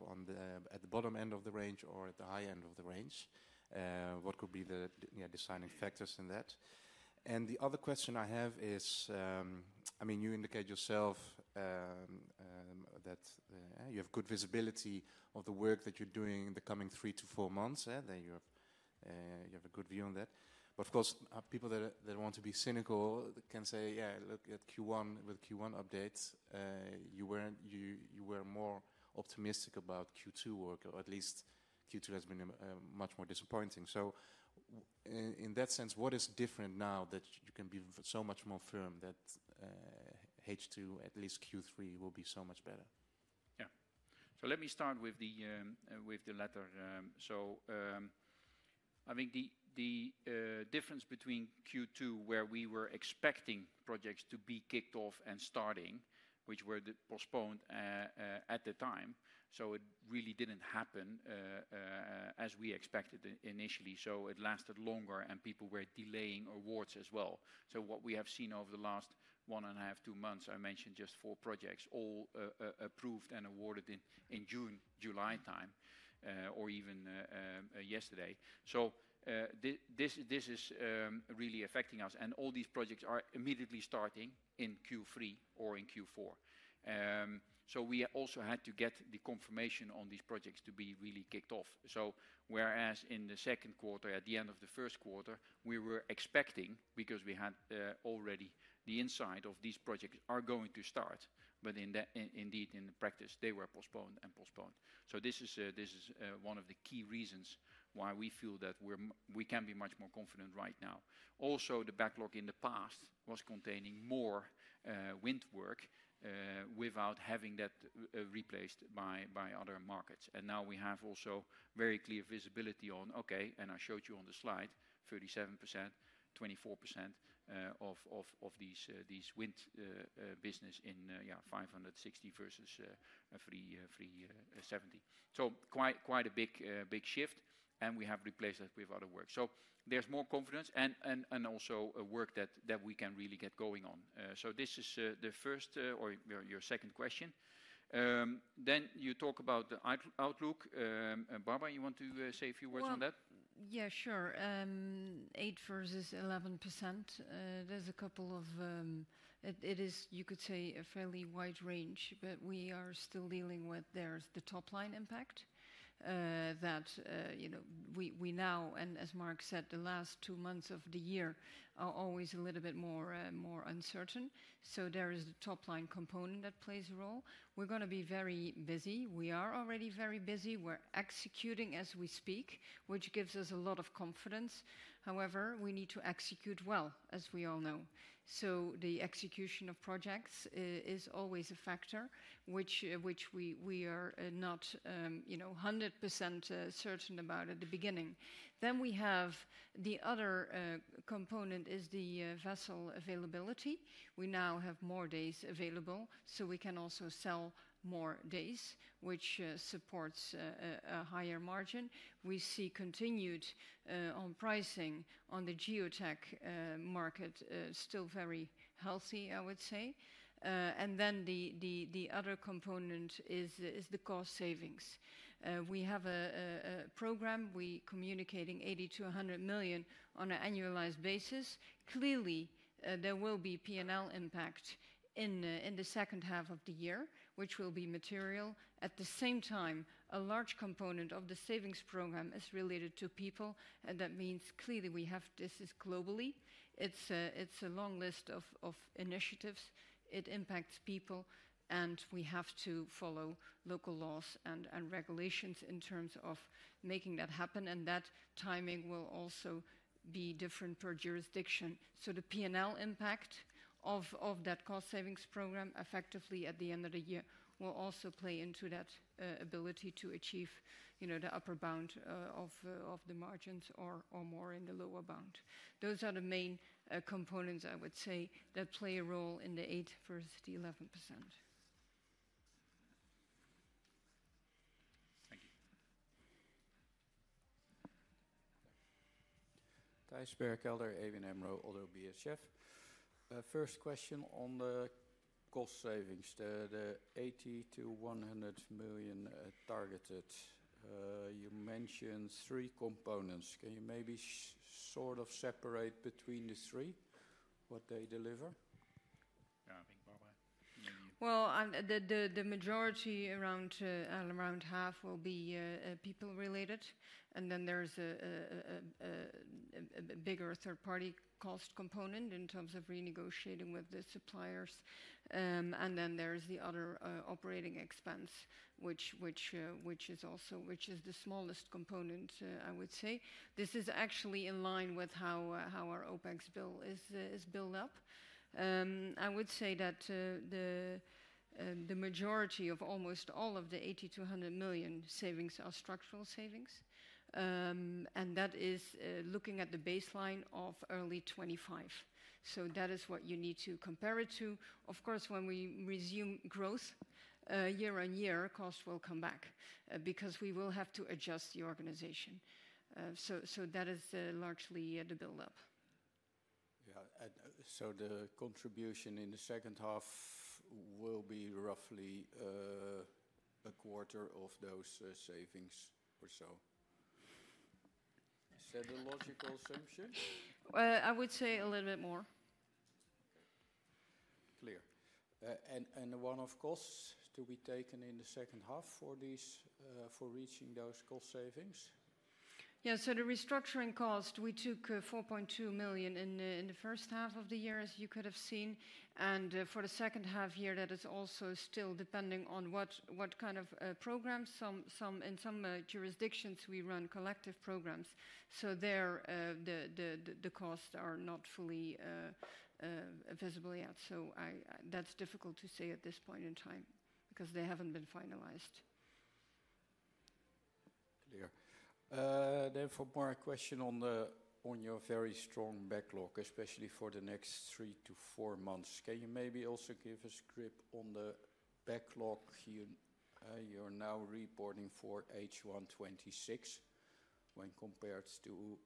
at the bottom end of the range or at the high end of the range. What could be the deciding factors in that? The other question I have is, I mean, you indicate yourself that you have good visibility of the work that you're doing in the coming three to four months. You have a good view on that. People that want to be cynical can say, yeah, look at Q1 with Q1 updates. You were more optimistic about Q2 work, or at least Q2 has been much more disappointing. In that sense, what is different now that you can be so much more firm that H2, at least Q3, will be so much better? Yeah. Let me start with the latter. I think the difference between Q2, where we were expecting projects to be kicked off and starting, which were postponed at the time, really didn't happen as we expected initially. It lasted longer and people were delaying awards as well. What we have seen over the last one and a half, two months, I mentioned just four projects all approved and awarded in June, July time, or even yesterday. This is really affecting us. All these projects are immediately starting in Q3 or in Q4. We also had to get the confirmation on these projects to be really kicked off. Whereas in the second quarter, at the end of the first quarter, we were expecting because we had already the insight of these projects are going to start. Indeed, in the practice, they were postponed and postponed. This is one of the key reasons why we feel that we can be much more confident right now. Also, the backlog in the past was containing more wind work without having that replaced by other markets. Now we have also very clear visibility on, okay, and I showed you on the slide, 37%, 24% of these wind business in 560 versus 370. Quite a big shift. We have replaced that with other work. There's more confidence and also work that we can really get going on. This is the first or your second question. You talk about the outlook. Barbara, you want to say a few words on that? Yeah, sure. 8% versus 11%. There's a couple of, it is, you could say, a fairly wide range, but we are still dealing with, there's the top line impact that we know, and as Mark said, the last two months of the year are always a little bit more uncertain. There is the top line component that plays a role. We're going to be very busy. We are already very busy. We're executing as we speak, which gives us a lot of confidence. However, we need to execute well, as we all know. The execution of projects is always a factor, which we are not 100% certain about at the beginning. Then we have the other component, which is the vessel availability. We now have more days available, so we can also sell more days, which supports a higher margin. We see continued on pricing on the geotech market, still very healthy, I would say. The other component is the cost savings. We have a program, we're communicating 80 million-100 million on an annualized basis. Clearly, there will be P&L impact in the second half of the year, which will be material. At the same time, a large component of the savings program is related to people. That means clearly we have to do this globally. It's a long list of initiatives. It impacts people, and we have to follow local laws and regulations in terms of making that happen. That timing will also be different per jurisdiction. The P&L impact of that cost savings program effectively at the end of the year will also play into that ability to achieve the upper bound of the margins or more in the lower bound. Those are the main components, I would say, that play a role in the 8% versus the 11%. Thank you. Thijs Berkelder, ABN AMRO ODDO BHF. First question on the cost savings, the 80 million-100 million targeted. You mentioned three components. Can you maybe sort of separate between the three, what they deliver? Yeah, I think Barbara. The majority, around half, will be people-related. There's a bigger third-party cost component in terms of renegotiating with the suppliers. There's the other operating expense, which is also the smallest component, I would say. This is actually in line with how our OpEx bill is built up. I would say that the majority of almost all of the 80 million-100 million savings are structural savings. That is looking at the baseline of early 2025, so that is what you need to compare it to. Of course, when we resume growth year on year, costs will come back because we will have to adjust the organization. That is largely the buildup. Yeah, the contribution in the second half will be roughly a quarter of those savings or so. Is that a logical assumption? I would say a little bit more. Clear. Are there any costs to be taken in the second half for reaching those cost savings? Yeah, the restructuring cost, we took 4.2 million in the first half of the year, as you could have seen. For the second half year, that is also still depending on what kind of programs. In some jurisdictions, we run collective programs. There, the costs are not fully visible yet. That's difficult to say at this point in time because they haven't been finalized. Clear. Barbara, a question on your very strong backlog, especially for the next three to four months. Can you maybe also give a script on the backlog here? You're now reporting for H1 2026 when compared to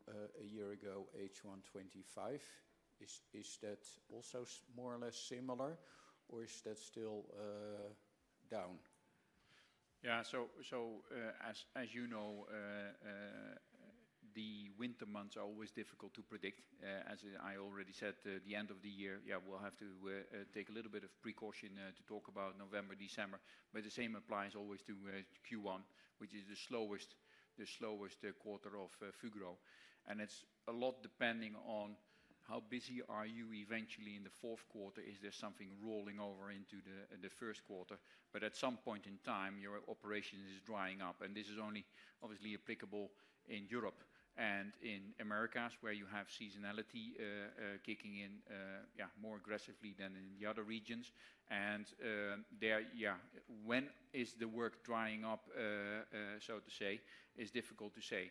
a year ago, H1 2025. Is that also more or less similar, or is that still down? Yeah, so as you know, the winter months are always difficult to predict. As I already said, the end of the year, yeah, we'll have to take a little bit of precaution to talk about November, December. The same applies always to Q1, which is the slowest quarter of Fugro. It's a lot depending on how busy are you eventually in the fourth quarter. Is there something rolling over into the first quarter? At some point in time, your operation is drying up. This is only obviously applicable in Europe and in Americas where you have seasonality kicking in, yeah, more aggressively than in the other regions. When is the work drying up, so to say, is difficult to say.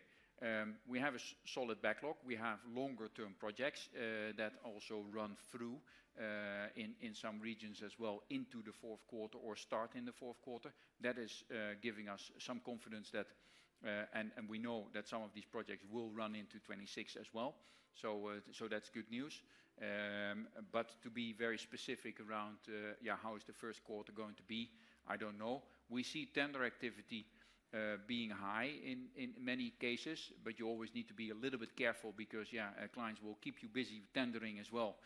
We have a solid backlog. We have longer-term projects that also run through in some regions as well into the fourth quarter or start in the fourth quarter. That is giving us some confidence that, and we know that some of these projects will run into 2026 as well. That's good news. To be very specific around, yeah, how is the first quarter going to be? I don't know. We see tender activity being high in many cases, but you always need to be a little bit careful because, yeah, clients will keep you busy with tendering as well,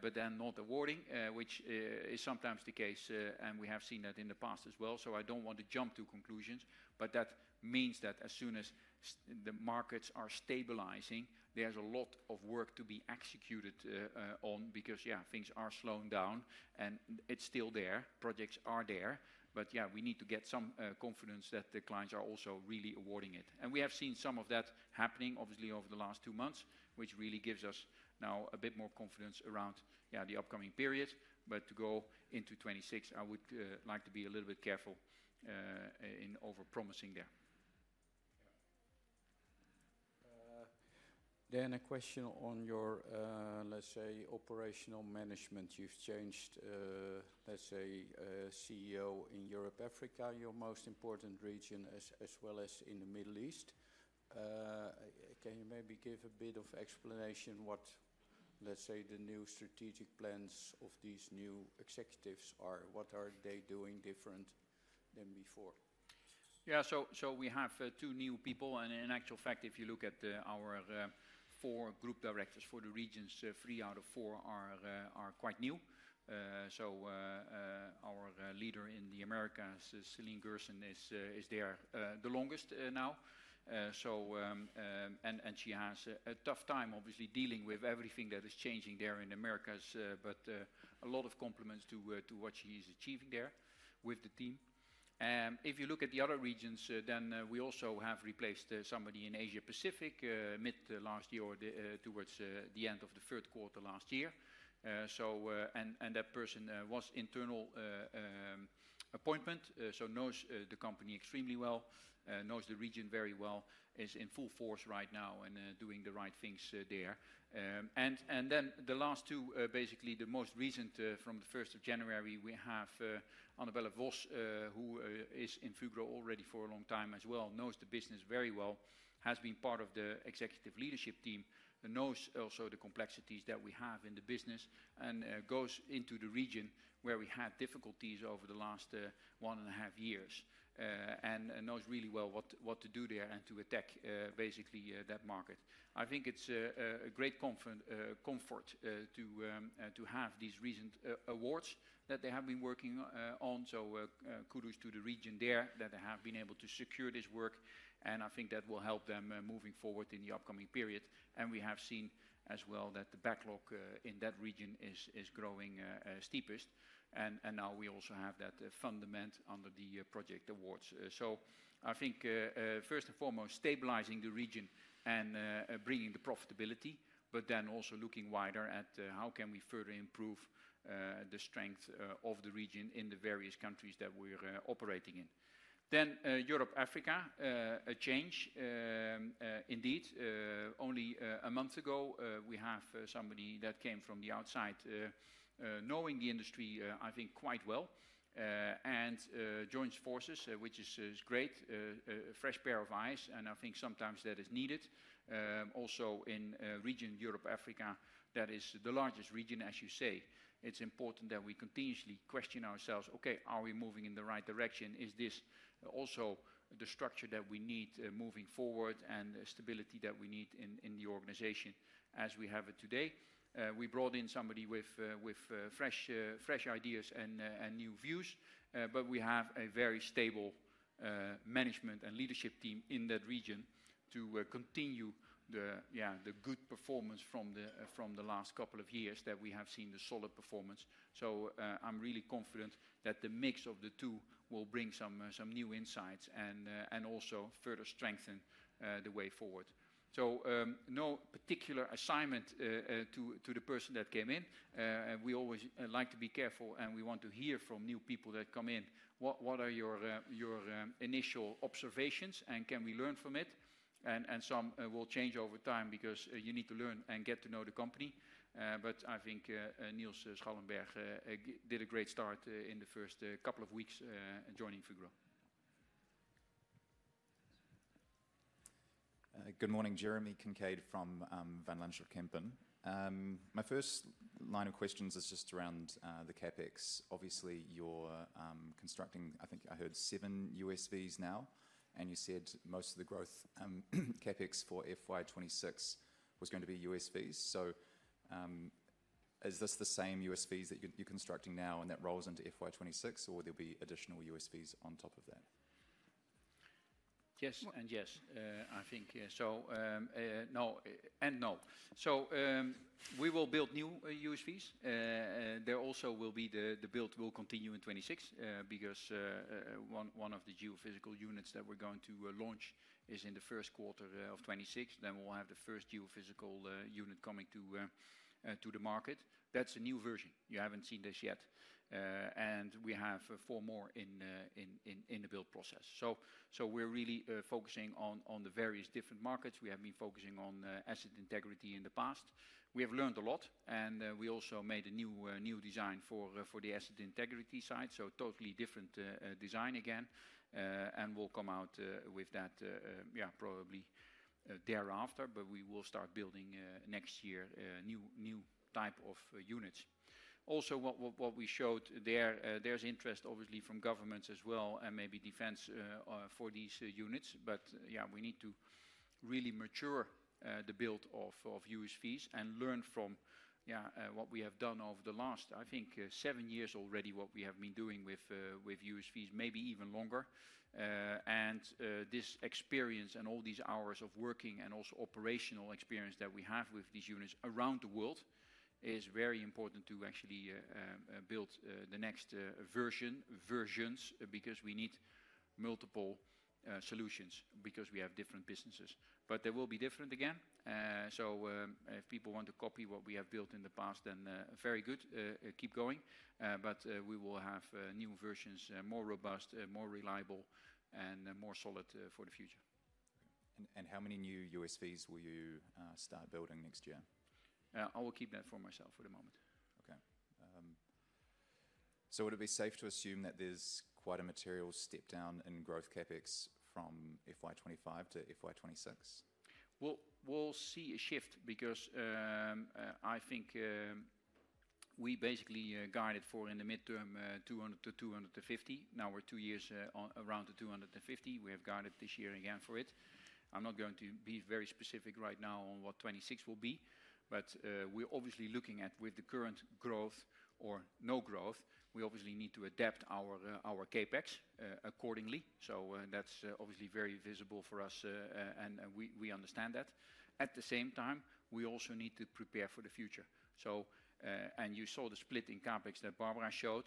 but then not awarding, which is sometimes the case. We have seen that in the past as well. I don't want to jump to conclusions, but that means that as soon as the markets are stabilizing, there's a lot of work to be executed on because, yeah, things are slowing down and it's still there. Projects are there, but yeah, we need to get some confidence that the clients are also really awarding it. We have seen some of that happening, obviously, over the last two months, which really gives us now a bit more confidence around, yeah, the upcoming period. To go into 2026, I would like to be a little bit careful in overpromising there. A question on your operational management. You've changed CEO in Europe, Africa, your most important region, as well as in the Middle East. Can you give a bit of explanation what the new strategic plans of these new executives are? What are they doing different than before? Yeah, so we have two new people. In actual fact, if you look at our four Group Directors for the regions, three out of four are quite new. Our leader in the Americas, Céline Gerson, is there the longest now. She has a tough time, obviously, dealing with everything that is changing there in the Americas. A lot of compliments to what she is achieving there with the team. If you look at the other regions, we also have replaced somebody in Asia Pacific mid-last year or towards the end of the third quarter last year. That person was an internal appointment, so knows the company extremely well, knows the region very well, is in full force right now and doing the right things there. The last two, basically the most recent from the 1st of January, we have Annabelle Vos, who is in Fugro already for a long time as well, knows the business very well, has been part of the Executive Leadership Team, knows also the complexities that we have in the business, and goes into the region where we had difficulties over the last one and a half years, and knows really well what to do there and to attack basically that market. I think it's a great comfort to have these recent awards that they have been working on. Kudos to the region there that they have been able to secure this work. I think that will help them moving forward in the upcoming period. We have seen as well that the backlog in that region is growing steepest. Now we also have that fundament under the project awards. I think first and foremost, stabilizing the region and bringing the profitability, but then also looking wider at how can we further improve the strength of the region in the various countries that we're operating in. Europe, Africa, a change. Indeed, only a month ago, we have somebody that came from the outside knowing the industry, I think, quite well, and joins forces, which is great, a fresh pair of eyes. I think sometimes that is needed. Also in the region Europe, Africa, that is the largest region, as you say, it's important that we continuously question ourselves, okay, are we moving in the right direction? Is this also the structure that we need moving forward and the stability that we need in the organization as we have it today? We brought in somebody with fresh ideas and new views, but we have a very stable management and leadership team in that region to continue the good performance from the last couple of years that we have seen the solid performance. I'm really confident that the mix of the two will bring some new insights and also further strengthen the way forward. There is no particular assignment to the person that came in. We always like to be careful and we want to hear from new people that come in, what are your initial observations and can we learn from it? Some will change over time because you need to learn and get to know the company. I think Niels Schallenberg did a great start in the first couple of weeks joining Fugro. Good morning, Jeremy Kincaid from Van Lanschot Kempen. My first line of questions is just around the CapEx. Obviously, you're constructing, I think I heard, seven USVs now, and you said most of the growth CapEx for FY 2026 was going to be USVs. Is this the same USVs that you're constructing now and that rolls into FY 2026, or will there be additional USVs on top of that? Yes, and yes, I think, yes. No, and no. We will build new USVs. The build will continue in 2026 because one of the geophysical units that we're going to launch is in the first quarter of 2026. We'll have the first geophysical unit coming to the market. That's a new version. You haven't seen this yet. We have four more in the build process. We're really focusing on the various different markets. We have been focusing on asset integrity in the past. We have learned a lot. We also made a new design for the asset integrity side, a totally different design again. We'll come out with that, probably thereafter. We will start building next year new types of units. Also, what we showed there, there's interest obviously from governments as well and maybe defense for these units. We need to really mature the build of USVs and learn from what we have done over the last, I think, seven years already, what we have been doing with USVs, maybe even longer. This experience and all these hours of working and also operational experience that we have with these units around the world is very important to actually build the next version, versions, because we need multiple solutions because we have different businesses. They will be different again. If people want to copy what we have built in the past, then very good, keep going. We will have new versions, more robust, more reliable, and more solid for the future. How many new USVs will you start building next year? I will keep that for myself for the moment. Okay. Would it be safe to assume that there's quite a material step down in growth CapEx from FY 2025 to FY 2026? We will see a shift because I think we basically guided for in the midterm 200 million-250 million. Now we're two years around the 250 million. We have guided this year again for it. I'm not going to be very specific right now on what 2026 will be, but we're obviously looking at with the current growth or no growth, we obviously need to adapt our CapEx accordingly. That's obviously very visible for us, and we understand that. At the same time, we also need to prepare for the future. You saw the split in CapEx that Barbara showed.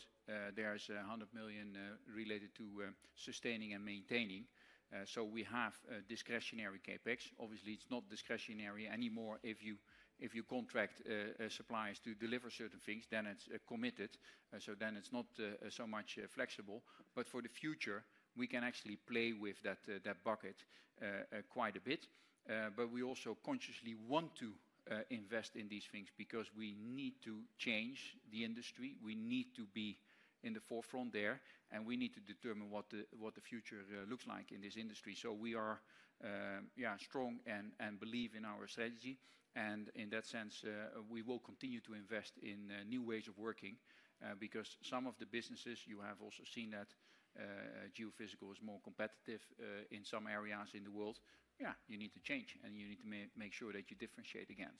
There's 100 million related to sustaining and maintaining. We have discretionary CapEx. Obviously, it's not discretionary anymore if you contract suppliers to deliver certain things, then it's committed. Then it's not so much flexible. For the future, we can actually play with that bucket quite a bit. We also consciously want to invest in these things because we need to change the industry. We need to be in the forefront there, and we need to determine what the future looks like in this industry. We are strong and believe in our strategy. In that sense, we will continue to invest in new ways of working because some of the businesses you have also seen that geophysical is more competitive in some areas in the world. You need to change, and you need to make sure that you differentiate again.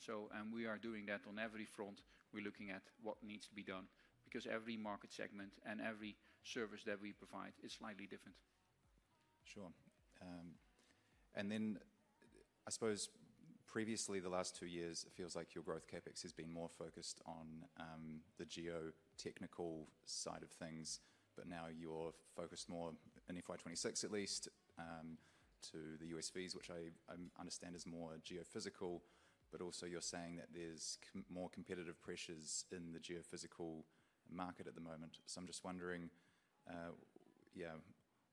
We are doing that on every front. We're looking at what needs to be done because every market segment and every service that we provide is slightly different. Sure. I suppose previously the last two years, it feels like your growth CapEx has been more focused on the geotechnical side of things, but now you're focused more in FY 2026 at least to the USVs, which I understand is more geophysical, but also you're saying that there's more competitive pressures in the geophysical market at the moment. I'm just wondering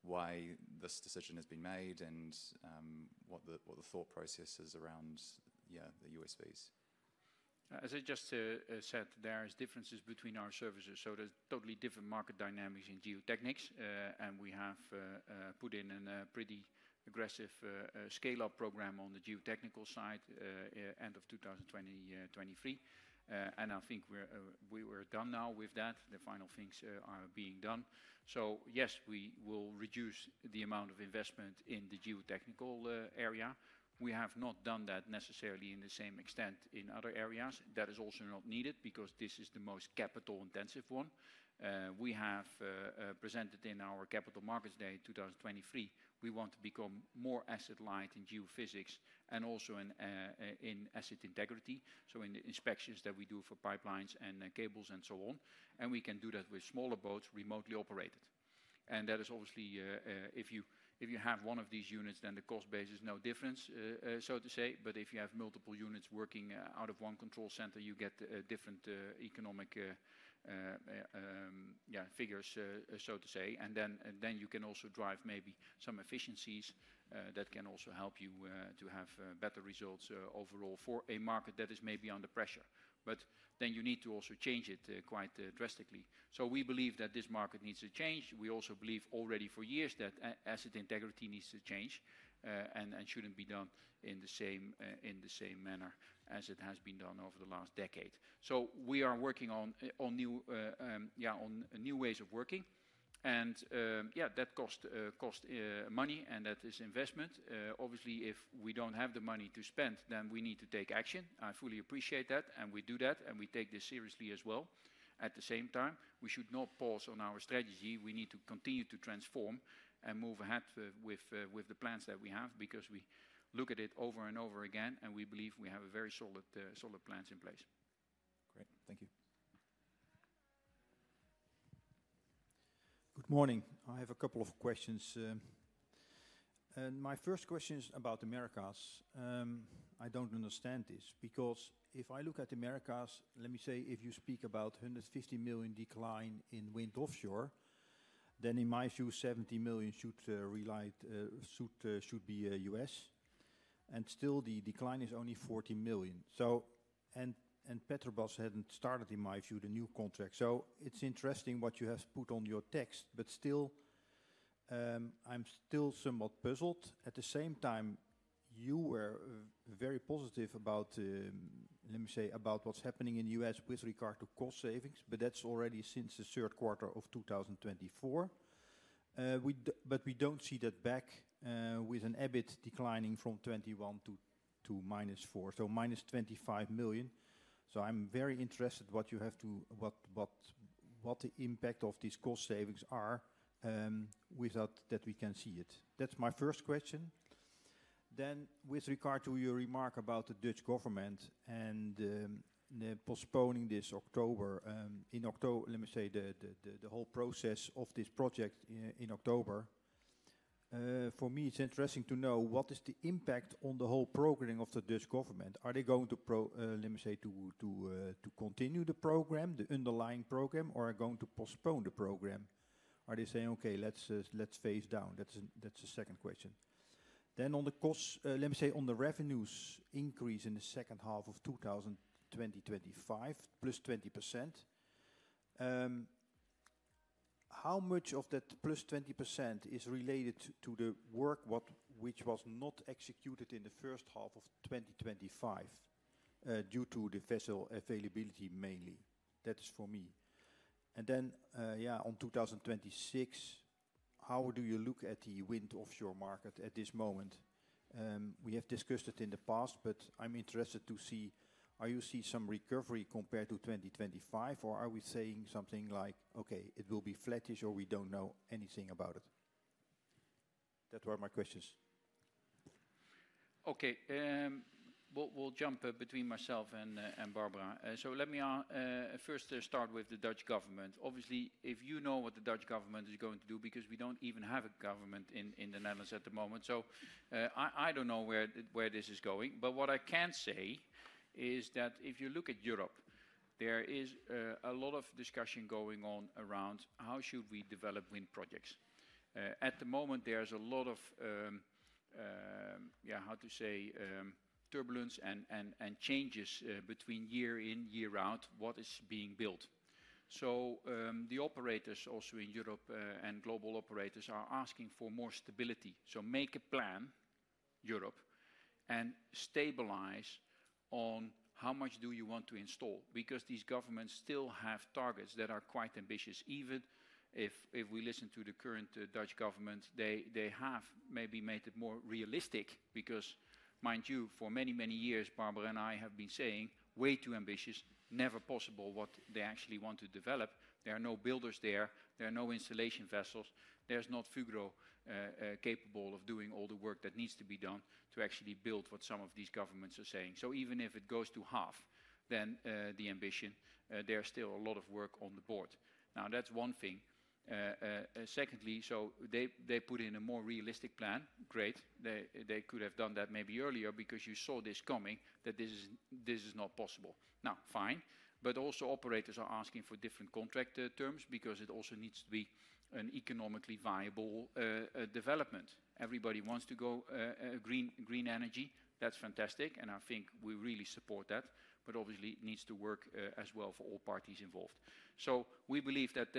why this decision has been made and what the thought process is around the USVs. As I just said, there are differences between our services. There's totally different market dynamics in geotechnics. We have put in a pretty aggressive scale-up program on the geotechnical side, end of 2023, and I think we're done now with that. The final things are being done. Yes, we will reduce the amount of investment in the geotechnical area. We have not done that necessarily to the same extent in other areas. That is also not needed because this is the most capital-intensive one. We have presented in our Capital Markets Day 2023, we want to become more asset-light in geophysics and also in asset integrity, so in the inspections that we do for pipelines and cables and so on. We can do that with smaller boats, remotely operated. That is obviously, if you have one of these units, then the cost base is no different, so to say. If you have multiple units working out of one control center, you get different economic figures, so to say. You can also drive maybe some efficiencies that can also help you to have better results overall for a market that is maybe under pressure. You need to also change it quite drastically. We believe that this market needs to change. We also believe already for years that asset integrity needs to change and shouldn't be done in the same manner as it has been done over the last decade. We are working on new ways of working. That costs money, and that is investment. Obviously, if we don't have the money to spend, then we need to take action. I fully appreciate that, and we do that. We take this seriously as well. At the same time, we should not pause on our strategy. We need to continue to transform and move ahead with the plans that we have because we look at it over and over again, and we believe we have very solid plans in place. Great, thank you. Good morning. I have a couple of questions. My first question is about the Americas. I don't understand this because if I look at the Americas, if you speak about 150 million decline in offshore wind, then in my view, 70 million should be U.S. and still, the decline is only 40 million. Petrobras hadn't started, in my view, the new contract. It's interesting what you have put on your text, but still, I'm somewhat puzzled. At the same time, you were very positive about what's happening in the U.S. with regard to cost savings, but that's already since the third quarter of 2024. We don't see that back, with EBIT declining from 21 million to - 4 million, so - EUR 25 million. I'm very interested in what the impact of these cost savings are, without that we can see it. That's my first question. With regard to your remark about the Dutch government and the postponing this October, in October, the whole process of this project in October, for me, it's interesting to know what is the impact on the whole programming of the Dutch government. Are they going to continue the program, the underlying program, or are they going to postpone the program? Are they saying, okay, let's phase down? That's the second question. On the revenues increase in the second half of 2025, plus 20%, how much of that plus 20% is related to the work which was not executed in the first half of 2025, due to the vessel availability mainly? That is for me. On 2026, how do you look at the offshore wind market at this moment? We have discussed it in the past, but I'm interested to see, are you seeing some recovery compared to 2025, or are we saying something like, okay, it will be flattish, or we don't know anything about it? That were my questions. Okay, we'll jump between myself and Barbara. Let me first start with the Dutch government. Obviously, if you know what the Dutch government is going to do, because we don't even have a government in the Netherlands at the moment. I don't know where this is going. What I can say is that if you look at Europe, there is a lot of discussion going on around how should we develop wind projects. At the moment, there's a lot of turbulence and changes between year in, year out, what is being built. The operators also in Europe, and global operators, are asking for more stability. Make a plan in Europe and stabilize on how much do you want to install, because these governments still have targets that are quite ambitious. Even if we listen to the current Dutch government, they have maybe made it more realistic because, mind you, for many, many years, Barbara and I have been saying way too ambitious, never possible what they actually want to develop. There are no builders there. There are no installation vessels. There's not Fugro capable of doing all the work that needs to be done to actually build what some of these governments are saying. Even if it goes to half the ambition, there's still a lot of work on the board. That's one thing. Secondly, they put in a more realistic plan. Great. They could have done that maybe earlier because you saw this coming, that this is not possible. Fine. Operators are also asking for different contract terms because it also needs to be an economically viable development. Everybody wants to go green, green energy. That's fantastic, and I think we really support that. Obviously, it needs to work as well for all parties involved. We believe that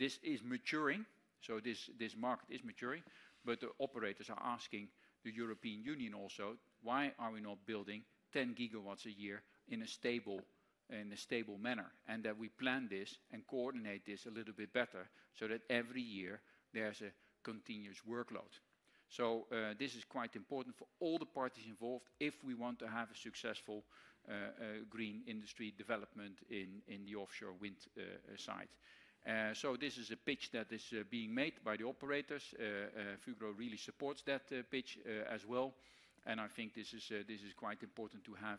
this is maturing, so this market is maturing. The operators are asking the European Union also, why are we not building 10 GW a year in a stable manner, and that we plan this and coordinate this a little bit better so that every year there's a continuous workload. This is quite important for all the parties involved if we want to have a successful green industry development in the offshore wind side. This is a pitch that is being made by the operators. Fugro really supports that pitch as well, and I think this is quite important to have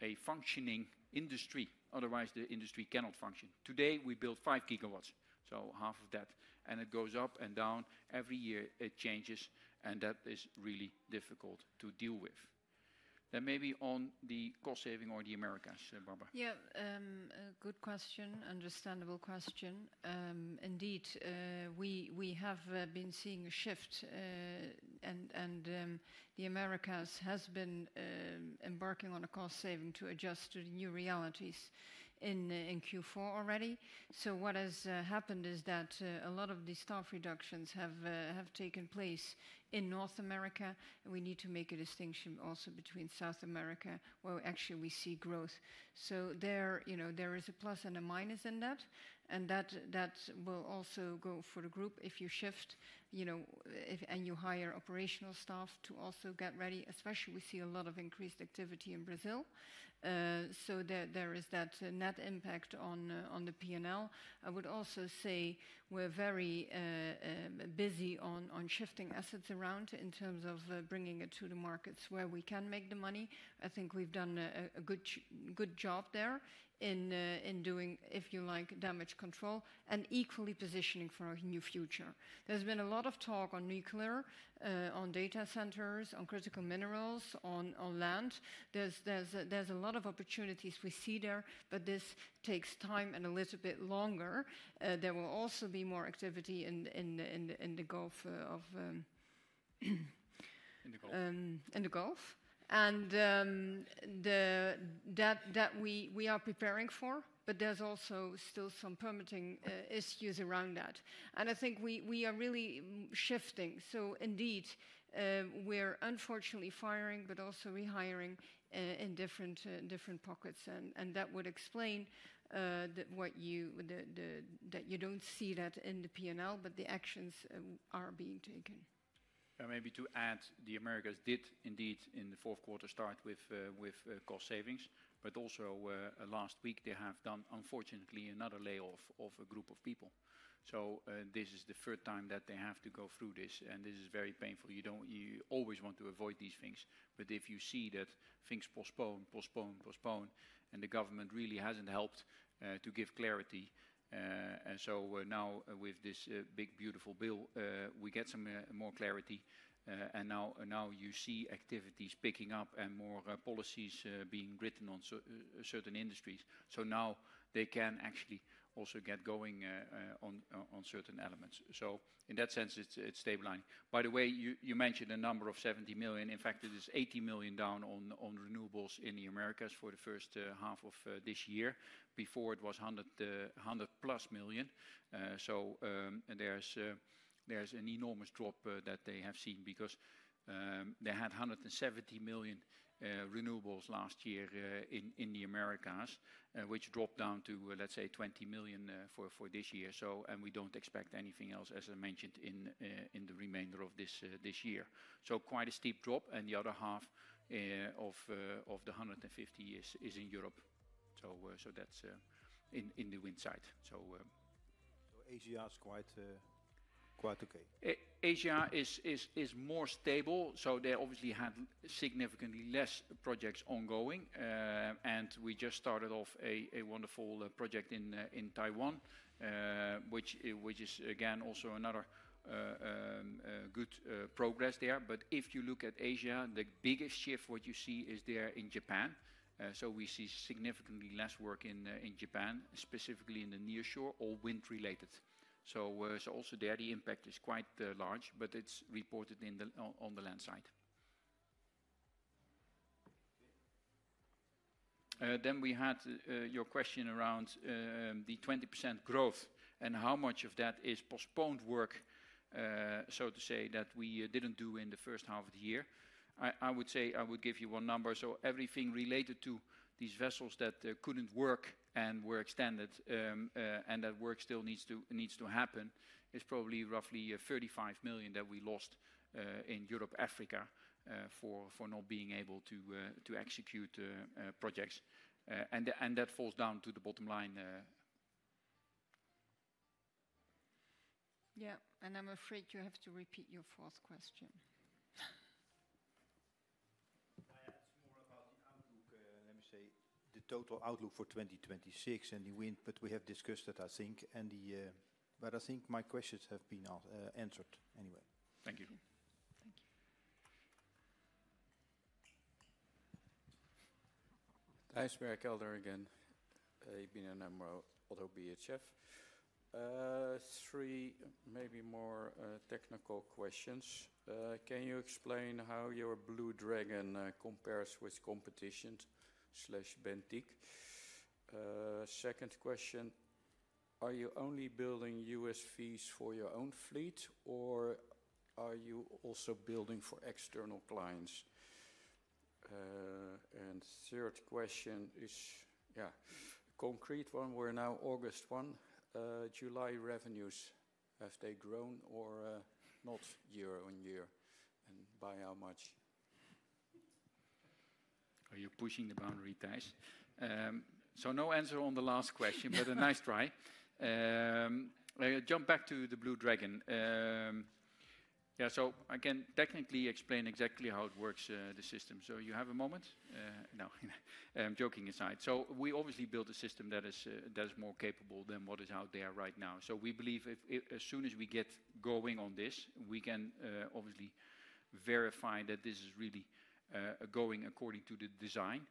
a functioning industry. Otherwise, the industry cannot function. Today, we build 5 GW, so half of that, and it goes up and down. Every year, it changes, and that is really difficult to deal with. Maybe on the cost saving or the Americas, Barbara. Yeah, a good question. Understandable question. Indeed, we have been seeing a shift, and the Americas has been embarking on a cost saving to adjust to the new realities in Q4 already. What has happened is that a lot of the staff reductions have taken place in North America. We need to make a distinction also between South America, where actually we see growth. There, you know, there is a plus and a minus in that, and that will also go for the group if you shift, you know, if you hire operational staff to also get ready, especially we see a lot of increased activity in Brazil. There is that net impact on the P&L. I would also say we're very busy on shifting assets around in terms of bringing it to the markets where we can make the money. I think we've done a good job there in doing, if you like, damage control and equally positioning for our new future. There's been a lot of talk on nuclear, on data centers, on critical minerals, on land. There's a lot of opportunities we see there, but this takes time and a little bit longer. There will also be more activity in the Gulf, and we are preparing for that, but there's also still some permitting issues around that. I think we are really shifting. Indeed, we're unfortunately firing, but also rehiring in different pockets, and that would explain that you don't see that in the P&L, but the actions are being taken. Maybe to add, the Americas did indeed in the fourth quarter start with cost savings, but also, last week they have done, unfortunately, another layoff of a group of people. This is the third time that they have to go through this, and this is very painful. You always want to avoid these things, but if you see that things postpone, postpone, postpone, and the government really hasn't helped to give clarity, now with this Big Beautiful Bill, we get some more clarity, and now you see activities picking up and more policies being written on certain industries. Now they can actually also get going on certain elements. In that sense, it's stabilizing. By the way, you mentioned a number of 70 million. In fact, it is 80 million down on renewables in the Americas for the first half of this year. Before, it was 100 million, 100+ million, so there's an enormous drop that they have seen because they had 170 million renewables last year in the Americas, which dropped down to, let's say, 20 million for this year. We don't expect anything else, as I mentioned, in the remainder of this year. Quite a steep drop. The other half of the 150 million is in Europe. That's in the wind side. Asia is quite, quite okay. Asia is more stable. They obviously had significantly less projects ongoing, and we just started off a wonderful project in Taiwan, which is again also another good progress there. If you look at Asia, the biggest shift you see is there in Japan. We see significantly less work in Japan, specifically in the near shore or wind related. Also there, the impact is quite large, but it's reported on the land side. You had your question around the 20% growth and how much of that is postponed work, so to say that we didn't do in the first half of the year. I would say I would give you one number. Everything related to these vessels that couldn't work and were extended, and that work still needs to happen, is probably roughly 35 million that we lost in Europe, Africa, for not being able to execute projects, and that falls down to the bottom line. Yeah, I'm afraid you have to repeat your fourth question. That's more about the outlook. Let me say the total outlook for 2026 and the wind, but we have discussed it, I think, and I think my questions have been answered anyway. Thank you. Thank you. Thijs Berkelder again, ABN AMRO ODDO BHF. Three, maybe more, technical questions. Can you explain how your Blue Dragon compares with competition slash [Bentik]? Second question, are you only building USVs for your own fleet or are you also building for external clients? Third question is, yeah, a concrete one. We're now August 1. July revenues, have they grown or not year on year and by how much? Are you pushing the boundary test? No answer on the last question, but a nice try. I jump back to the Blue Dragon. Yeah, I can technically explain exactly how it works, the system. Do you have a moment? No, joking aside. We obviously built a system that is more capable than what is out there right now. We believe if, as soon as we get going on this, we can obviously verify that this is really going according to the design.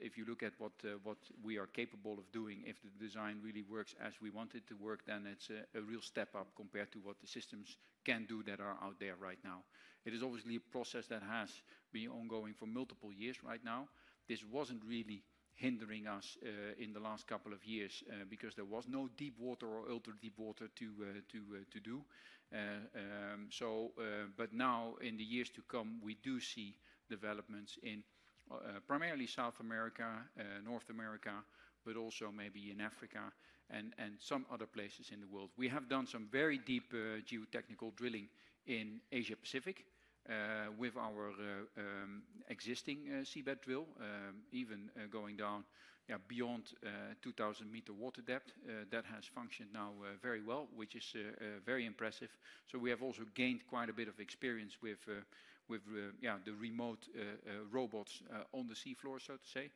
If you look at what we are capable of doing, if the design really works as we want it to work, then it's a real step up compared to what the systems can do that are out there right now. It is obviously a process that has been ongoing for multiple years right now. This wasn't really hindering us in the last couple of years, because there was no deep water or ultra deep water to do. Now, in the years to come, we do see developments in primarily South America, North America, but also maybe in Africa and some other places in the world. We have done some very deep geotechnical drilling in Asia Pacific with our existing seabed drill, even going down beyond 2,000 meter water depth. That has functioned now very well, which is very impressive. We have also gained quite a bit of experience with the remote robots on the seafloor, so to say.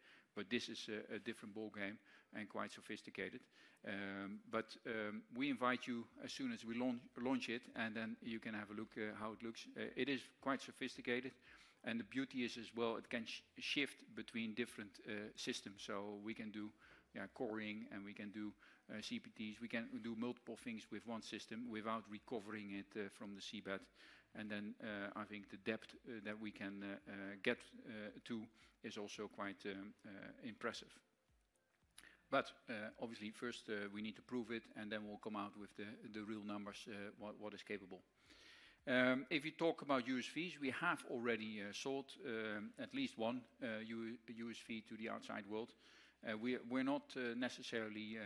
This is a different ballgame and quite sophisticated. We invite you as soon as we launch it, and then you can have a look at how it looks. It is quite sophisticated. The beauty is, as well, it can shift between different systems. We can do coring, and we can do CPTs. We can do multiple things with one system without recovering it from the seabed. I think the depth that we can get to is also quite impressive. Obviously, first, we need to prove it, and then we'll come out with the real numbers, what it is capable of. If you talk about USVs, we have already sold at least one USV to the outside world. We're not necessarily,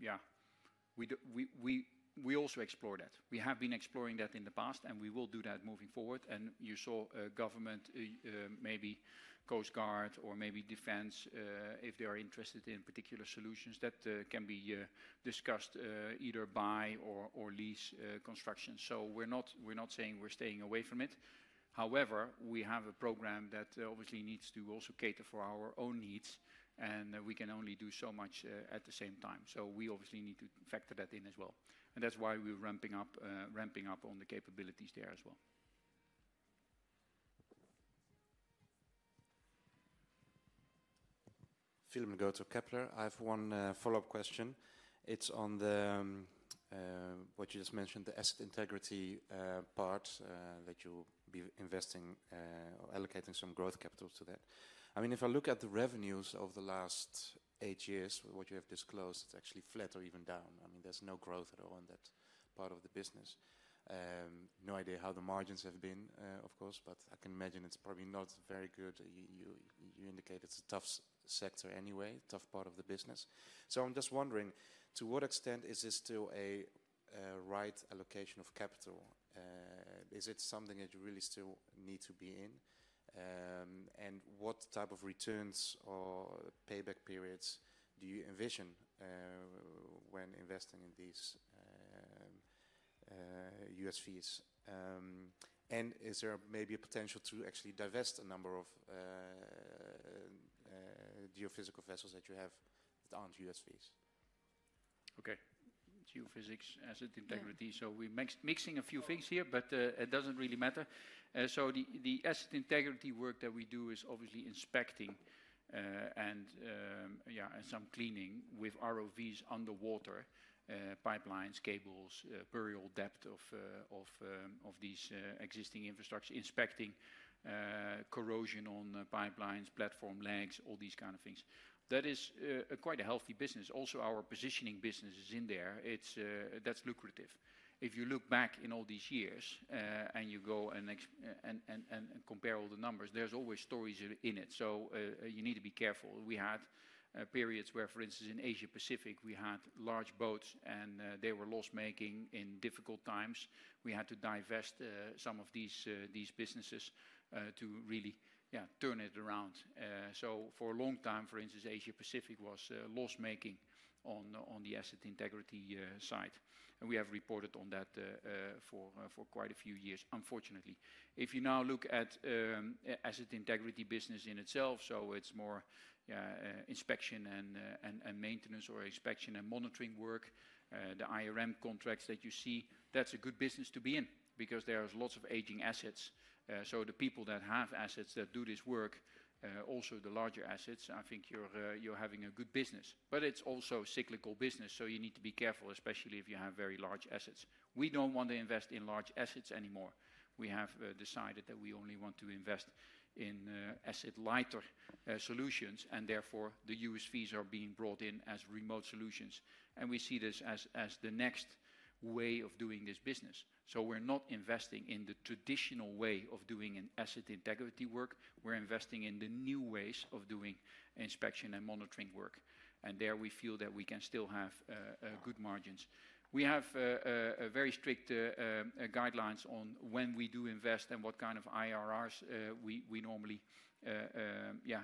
yeah, we also explore that. We have been exploring that in the past, and we will do that moving forward. You saw a government, maybe Coast Guard or maybe Defense, if they're interested in particular solutions that can be discussed, either buy or lease, construction. We're not saying we're staying away from it. However, we have a program that obviously needs to also cater for our own needs, and we can only do so much at the same time. We obviously need to factor that in as well. That's why we're ramping up on the capabilities there as well. Philip Ngotho, Kepler, I have one follow-up question. It's on what you just mentioned, the asset integrity part, that you'll be investing or allocating some growth capital to that. I mean, if I look at the revenues over the last eight years, what you have disclosed, it's actually flat or even down. I mean, there's no growth at all in that part of the business. No idea how the margins have been, of course, but I can imagine it's probably not very good. You indicate it's a tough sector anyway, a tough part of the business. I'm just wondering, to what extent is this still a right allocation of capital? Is it something that you really still need to be in? What type of returns or payback periods do you envision when investing in these USVs? Is there maybe a potential to actually divest a number of geophysical vessels that you have that aren't USVs? Okay. Geophysics, asset integrity. We're mixing a few things here, but it doesn't really matter. The asset integrity work that we do is obviously inspecting, and some cleaning with ROVs underwater, pipelines, cables, burial depth of these existing infrastructure, inspecting corrosion on pipelines, platform lags, all these kinds of things. That is quite a healthy business. Also, our positioning business is in there. It's lucrative. If you look back in all these years, and you go and compare all the numbers, there's always stories in it. You need to be careful. We had periods where, for instance, in Asia Pacific, we had large boats, and they were loss-making in difficult times. We had to divest some of these businesses to really turn it around. For a long time, for instance, Asia Pacific was loss-making on the asset integrity side. We have reported on that for quite a few years, unfortunately. If you now look at asset integrity business in itself, it's more inspection and maintenance or inspection and monitoring work. The IRM contracts that you see, that's a good business to be in because there are lots of aging assets. The people that have assets that do this work, also the larger assets, I think you're having a good business. It's also a cyclical business, so you need to be careful, especially if you have very large assets. We don't want to invest in large assets anymore. We have decided that we only want to invest in asset lighter solutions, and therefore the USVs are being brought in as remote solutions. We see this as the next way of doing this business. We're not investing in the traditional way of doing asset integrity work. We're investing in the new ways of doing inspection and monitoring work. There we feel that we can still have good margins. We have very strict guidelines on when we do invest and what kind of IRRs we normally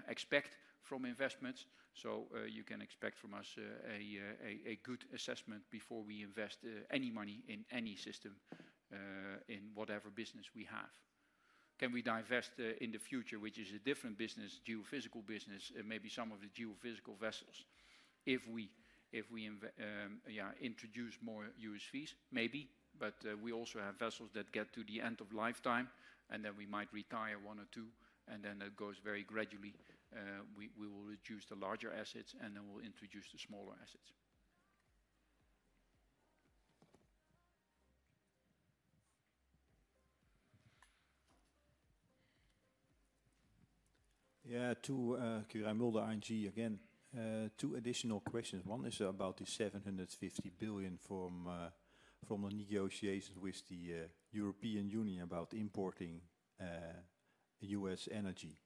expect from investments. You can expect from us a good assessment before we invest any money in any system, in whatever business we have. Can we divest in the future, which is a different business, geophysical business, maybe some of the geophysical vessels? If we introduce more USVs, maybe, but we also have vessels that get to the end of lifetime, and then we might retire one or two, and then it goes very gradually. We will reduce the larger assets, and then we'll introduce the smaller assets. Quirijn Mulder, ING again, two additional questions. One is about the 750 billion from the negotiations with the European Union about importing U.S. energy.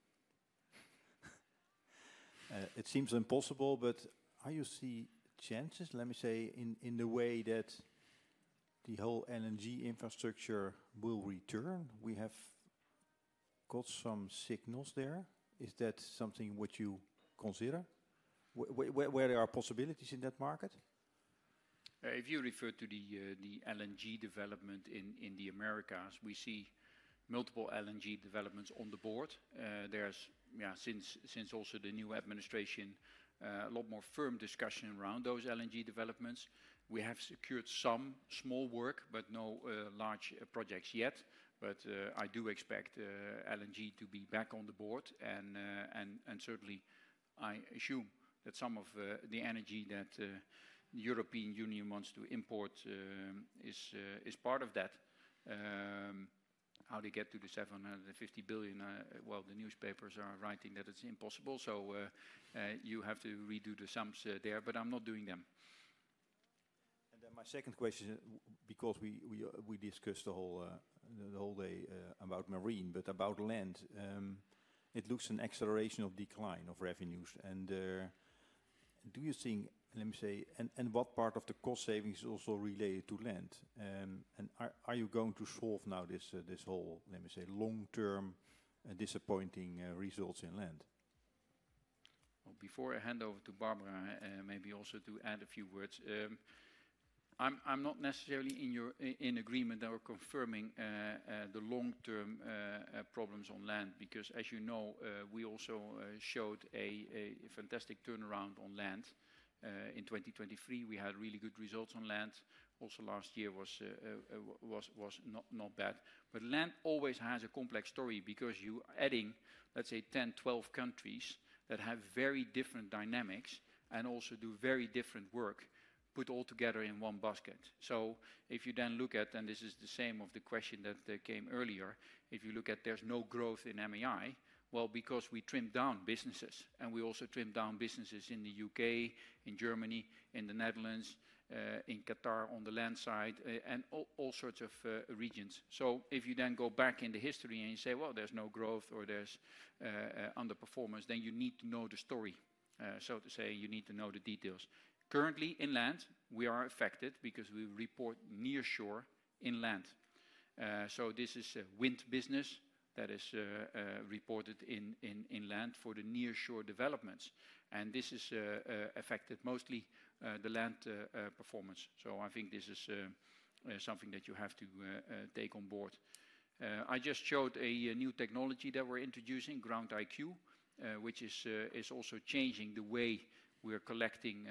It seems impossible, but how do you see chances, let me say, in the way that the whole energy infrastructure will return? We have got some signals there. Is that something which you consider? Where there are possibilities in that market? If you refer to the LNG development in the Americas, we see multiple LNG developments on the board. Since also the new administration, a lot more firm discussion around those LNG developments. We have secured some small work, but no large projects yet. I do expect LNG to be back on the board, and certainly, I assume that some of the energy that the European Union wants to import is part of that. How they get to the 750 billion, the newspapers are writing that it's impossible. You have to redo the sums there, but I'm not doing them. My second question is because we discussed the whole day about marine, but about land, it looks an acceleration of decline of revenues. Do you think, let me say, and what part of the cost savings is also related to land? Are you going to solve now this whole, let me say, long-term disappointing results in land? Before I hand over to Barbara, maybe also to add a few words, I'm not necessarily in agreement or confirming the long-term problems on land because, as you know, we also showed a fantastic turnaround on land. In 2023, we had really good results on land. Also, last year was not bad. Land always has a complex story because you're adding, let's say, 10, 12 countries that have very different dynamics and also do very different work put all together in one basket. If you then look at, and this is the same as the question that came earlier, if you look at there's no growth in MAI, it's because we trimmed down businesses, and we also trimmed down businesses in the UK, in Germany, in the Netherlands, in Qatar on the land side, and all sorts of regions. If you then go back into history and you say there's no growth or there's underperformance, then you need to know the story, so to say, you need to know the details. Currently, in land, we are affected because we report near shore in land. This is a wind business that is reported in land for the near shore developments. This has affected mostly the land performance. I think this is something that you have to take on board. I just showed a new technology that we're introducing, Ground IQ, which is also changing the way we're collecting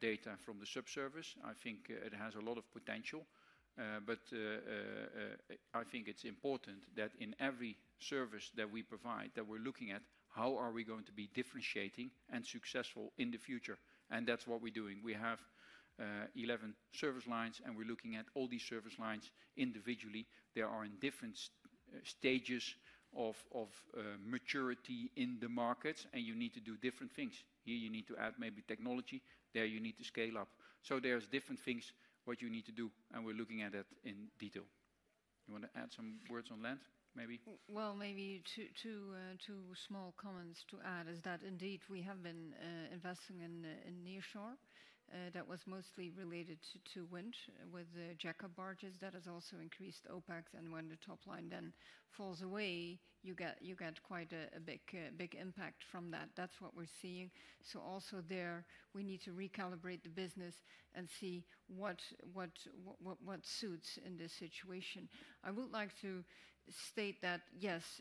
data from the subsurface. I think it has a lot of potential. I think it's important that in every service that we provide that we're looking at how are we going to be differentiating and successful in the future. That's what we're doing. We have 11 service lines, and we're looking at all these service lines individually. They are in different stages of maturity in the markets, and you need to do different things. Here, you need to add maybe technology. There, you need to scale up. There's different things you need to do, and we're looking at it in detail. You want to add some words on land, maybe? Maybe two small comments to add is that indeed we have been investing in near shore. That was mostly related to wind with the jack-up barges. That has also increased OpEx, and when the top line then falls away, you get quite a big impact from that. That's what we're seeing. Also there, we need to recalibrate the business and see what suits in this situation. I would like to state that, yes,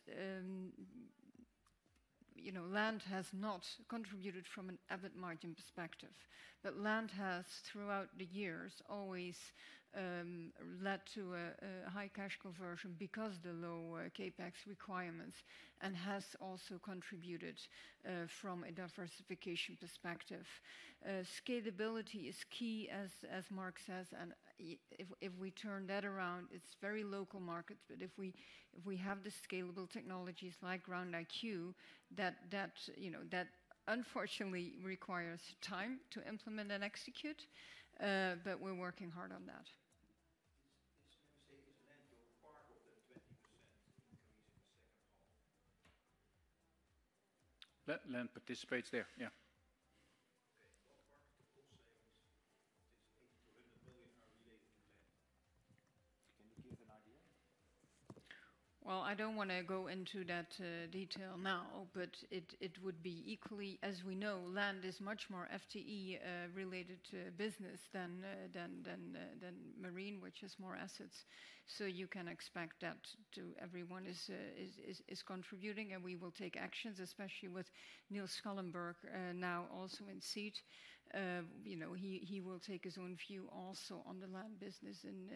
you know, land has not contributed from an EBIT margin perspective, but land has throughout the years always led to a high cash conversion because of the low CapEx requirements and has also contributed from a diversification perspective. Scalability is key, as Mark says, and if we turn that around, it's very local markets, but if we have the scalable technologies like GroundIQ, that unfortunately requires time to implement and execute, but we're working hard on that. Statements land for part of the 20% increase in the second half. Land participates there, yeah. Participates to EUR 100 billion are related to land. Can you give an idea? I don't want to go into that detail now, but it would be equally, as we know, land is much more FTE-related business than marine, which is more assets. You can expect that everyone is contributing, and we will take actions, especially with Niels Schallenberg now also in seat. He will take his own view also on the land business in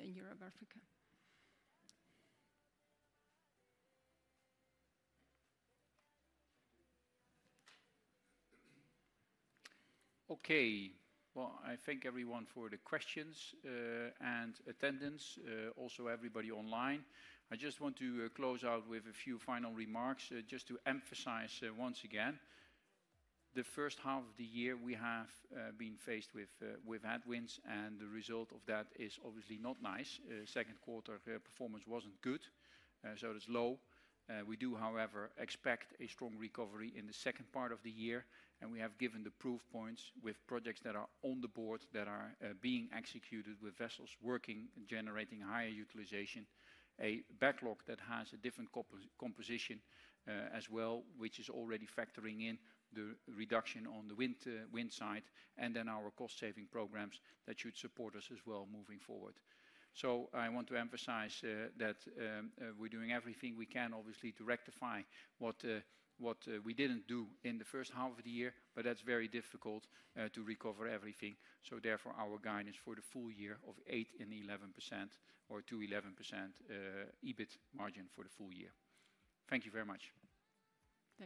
Europe-Africa. Okay. I thank everyone for the questions and attendance, also everybody online. I just want to close out with a few final remarks, just to emphasize once again. The first half of the year, we have been faced with headwinds, and the result of that is obviously not nice. Second quarter performance wasn't good, so it's low. We do, however, expect a strong recovery in the second part of the year, and we have given the proof points with projects that are on the board that are being executed with vessels working, generating higher utilization, a backlog that has a different composition as well, which is already factoring in the reduction on the wind side, and then our cost-saving programs that should support us as well moving forward. I want to emphasize that we're doing everything we can, obviously, to rectify what we didn't do in the first half of the year, but that's very difficult to recover everything. Therefore, our guidance for the full year of 8% and 11% or to 11% EBIT margin for the full year. Thank you very much.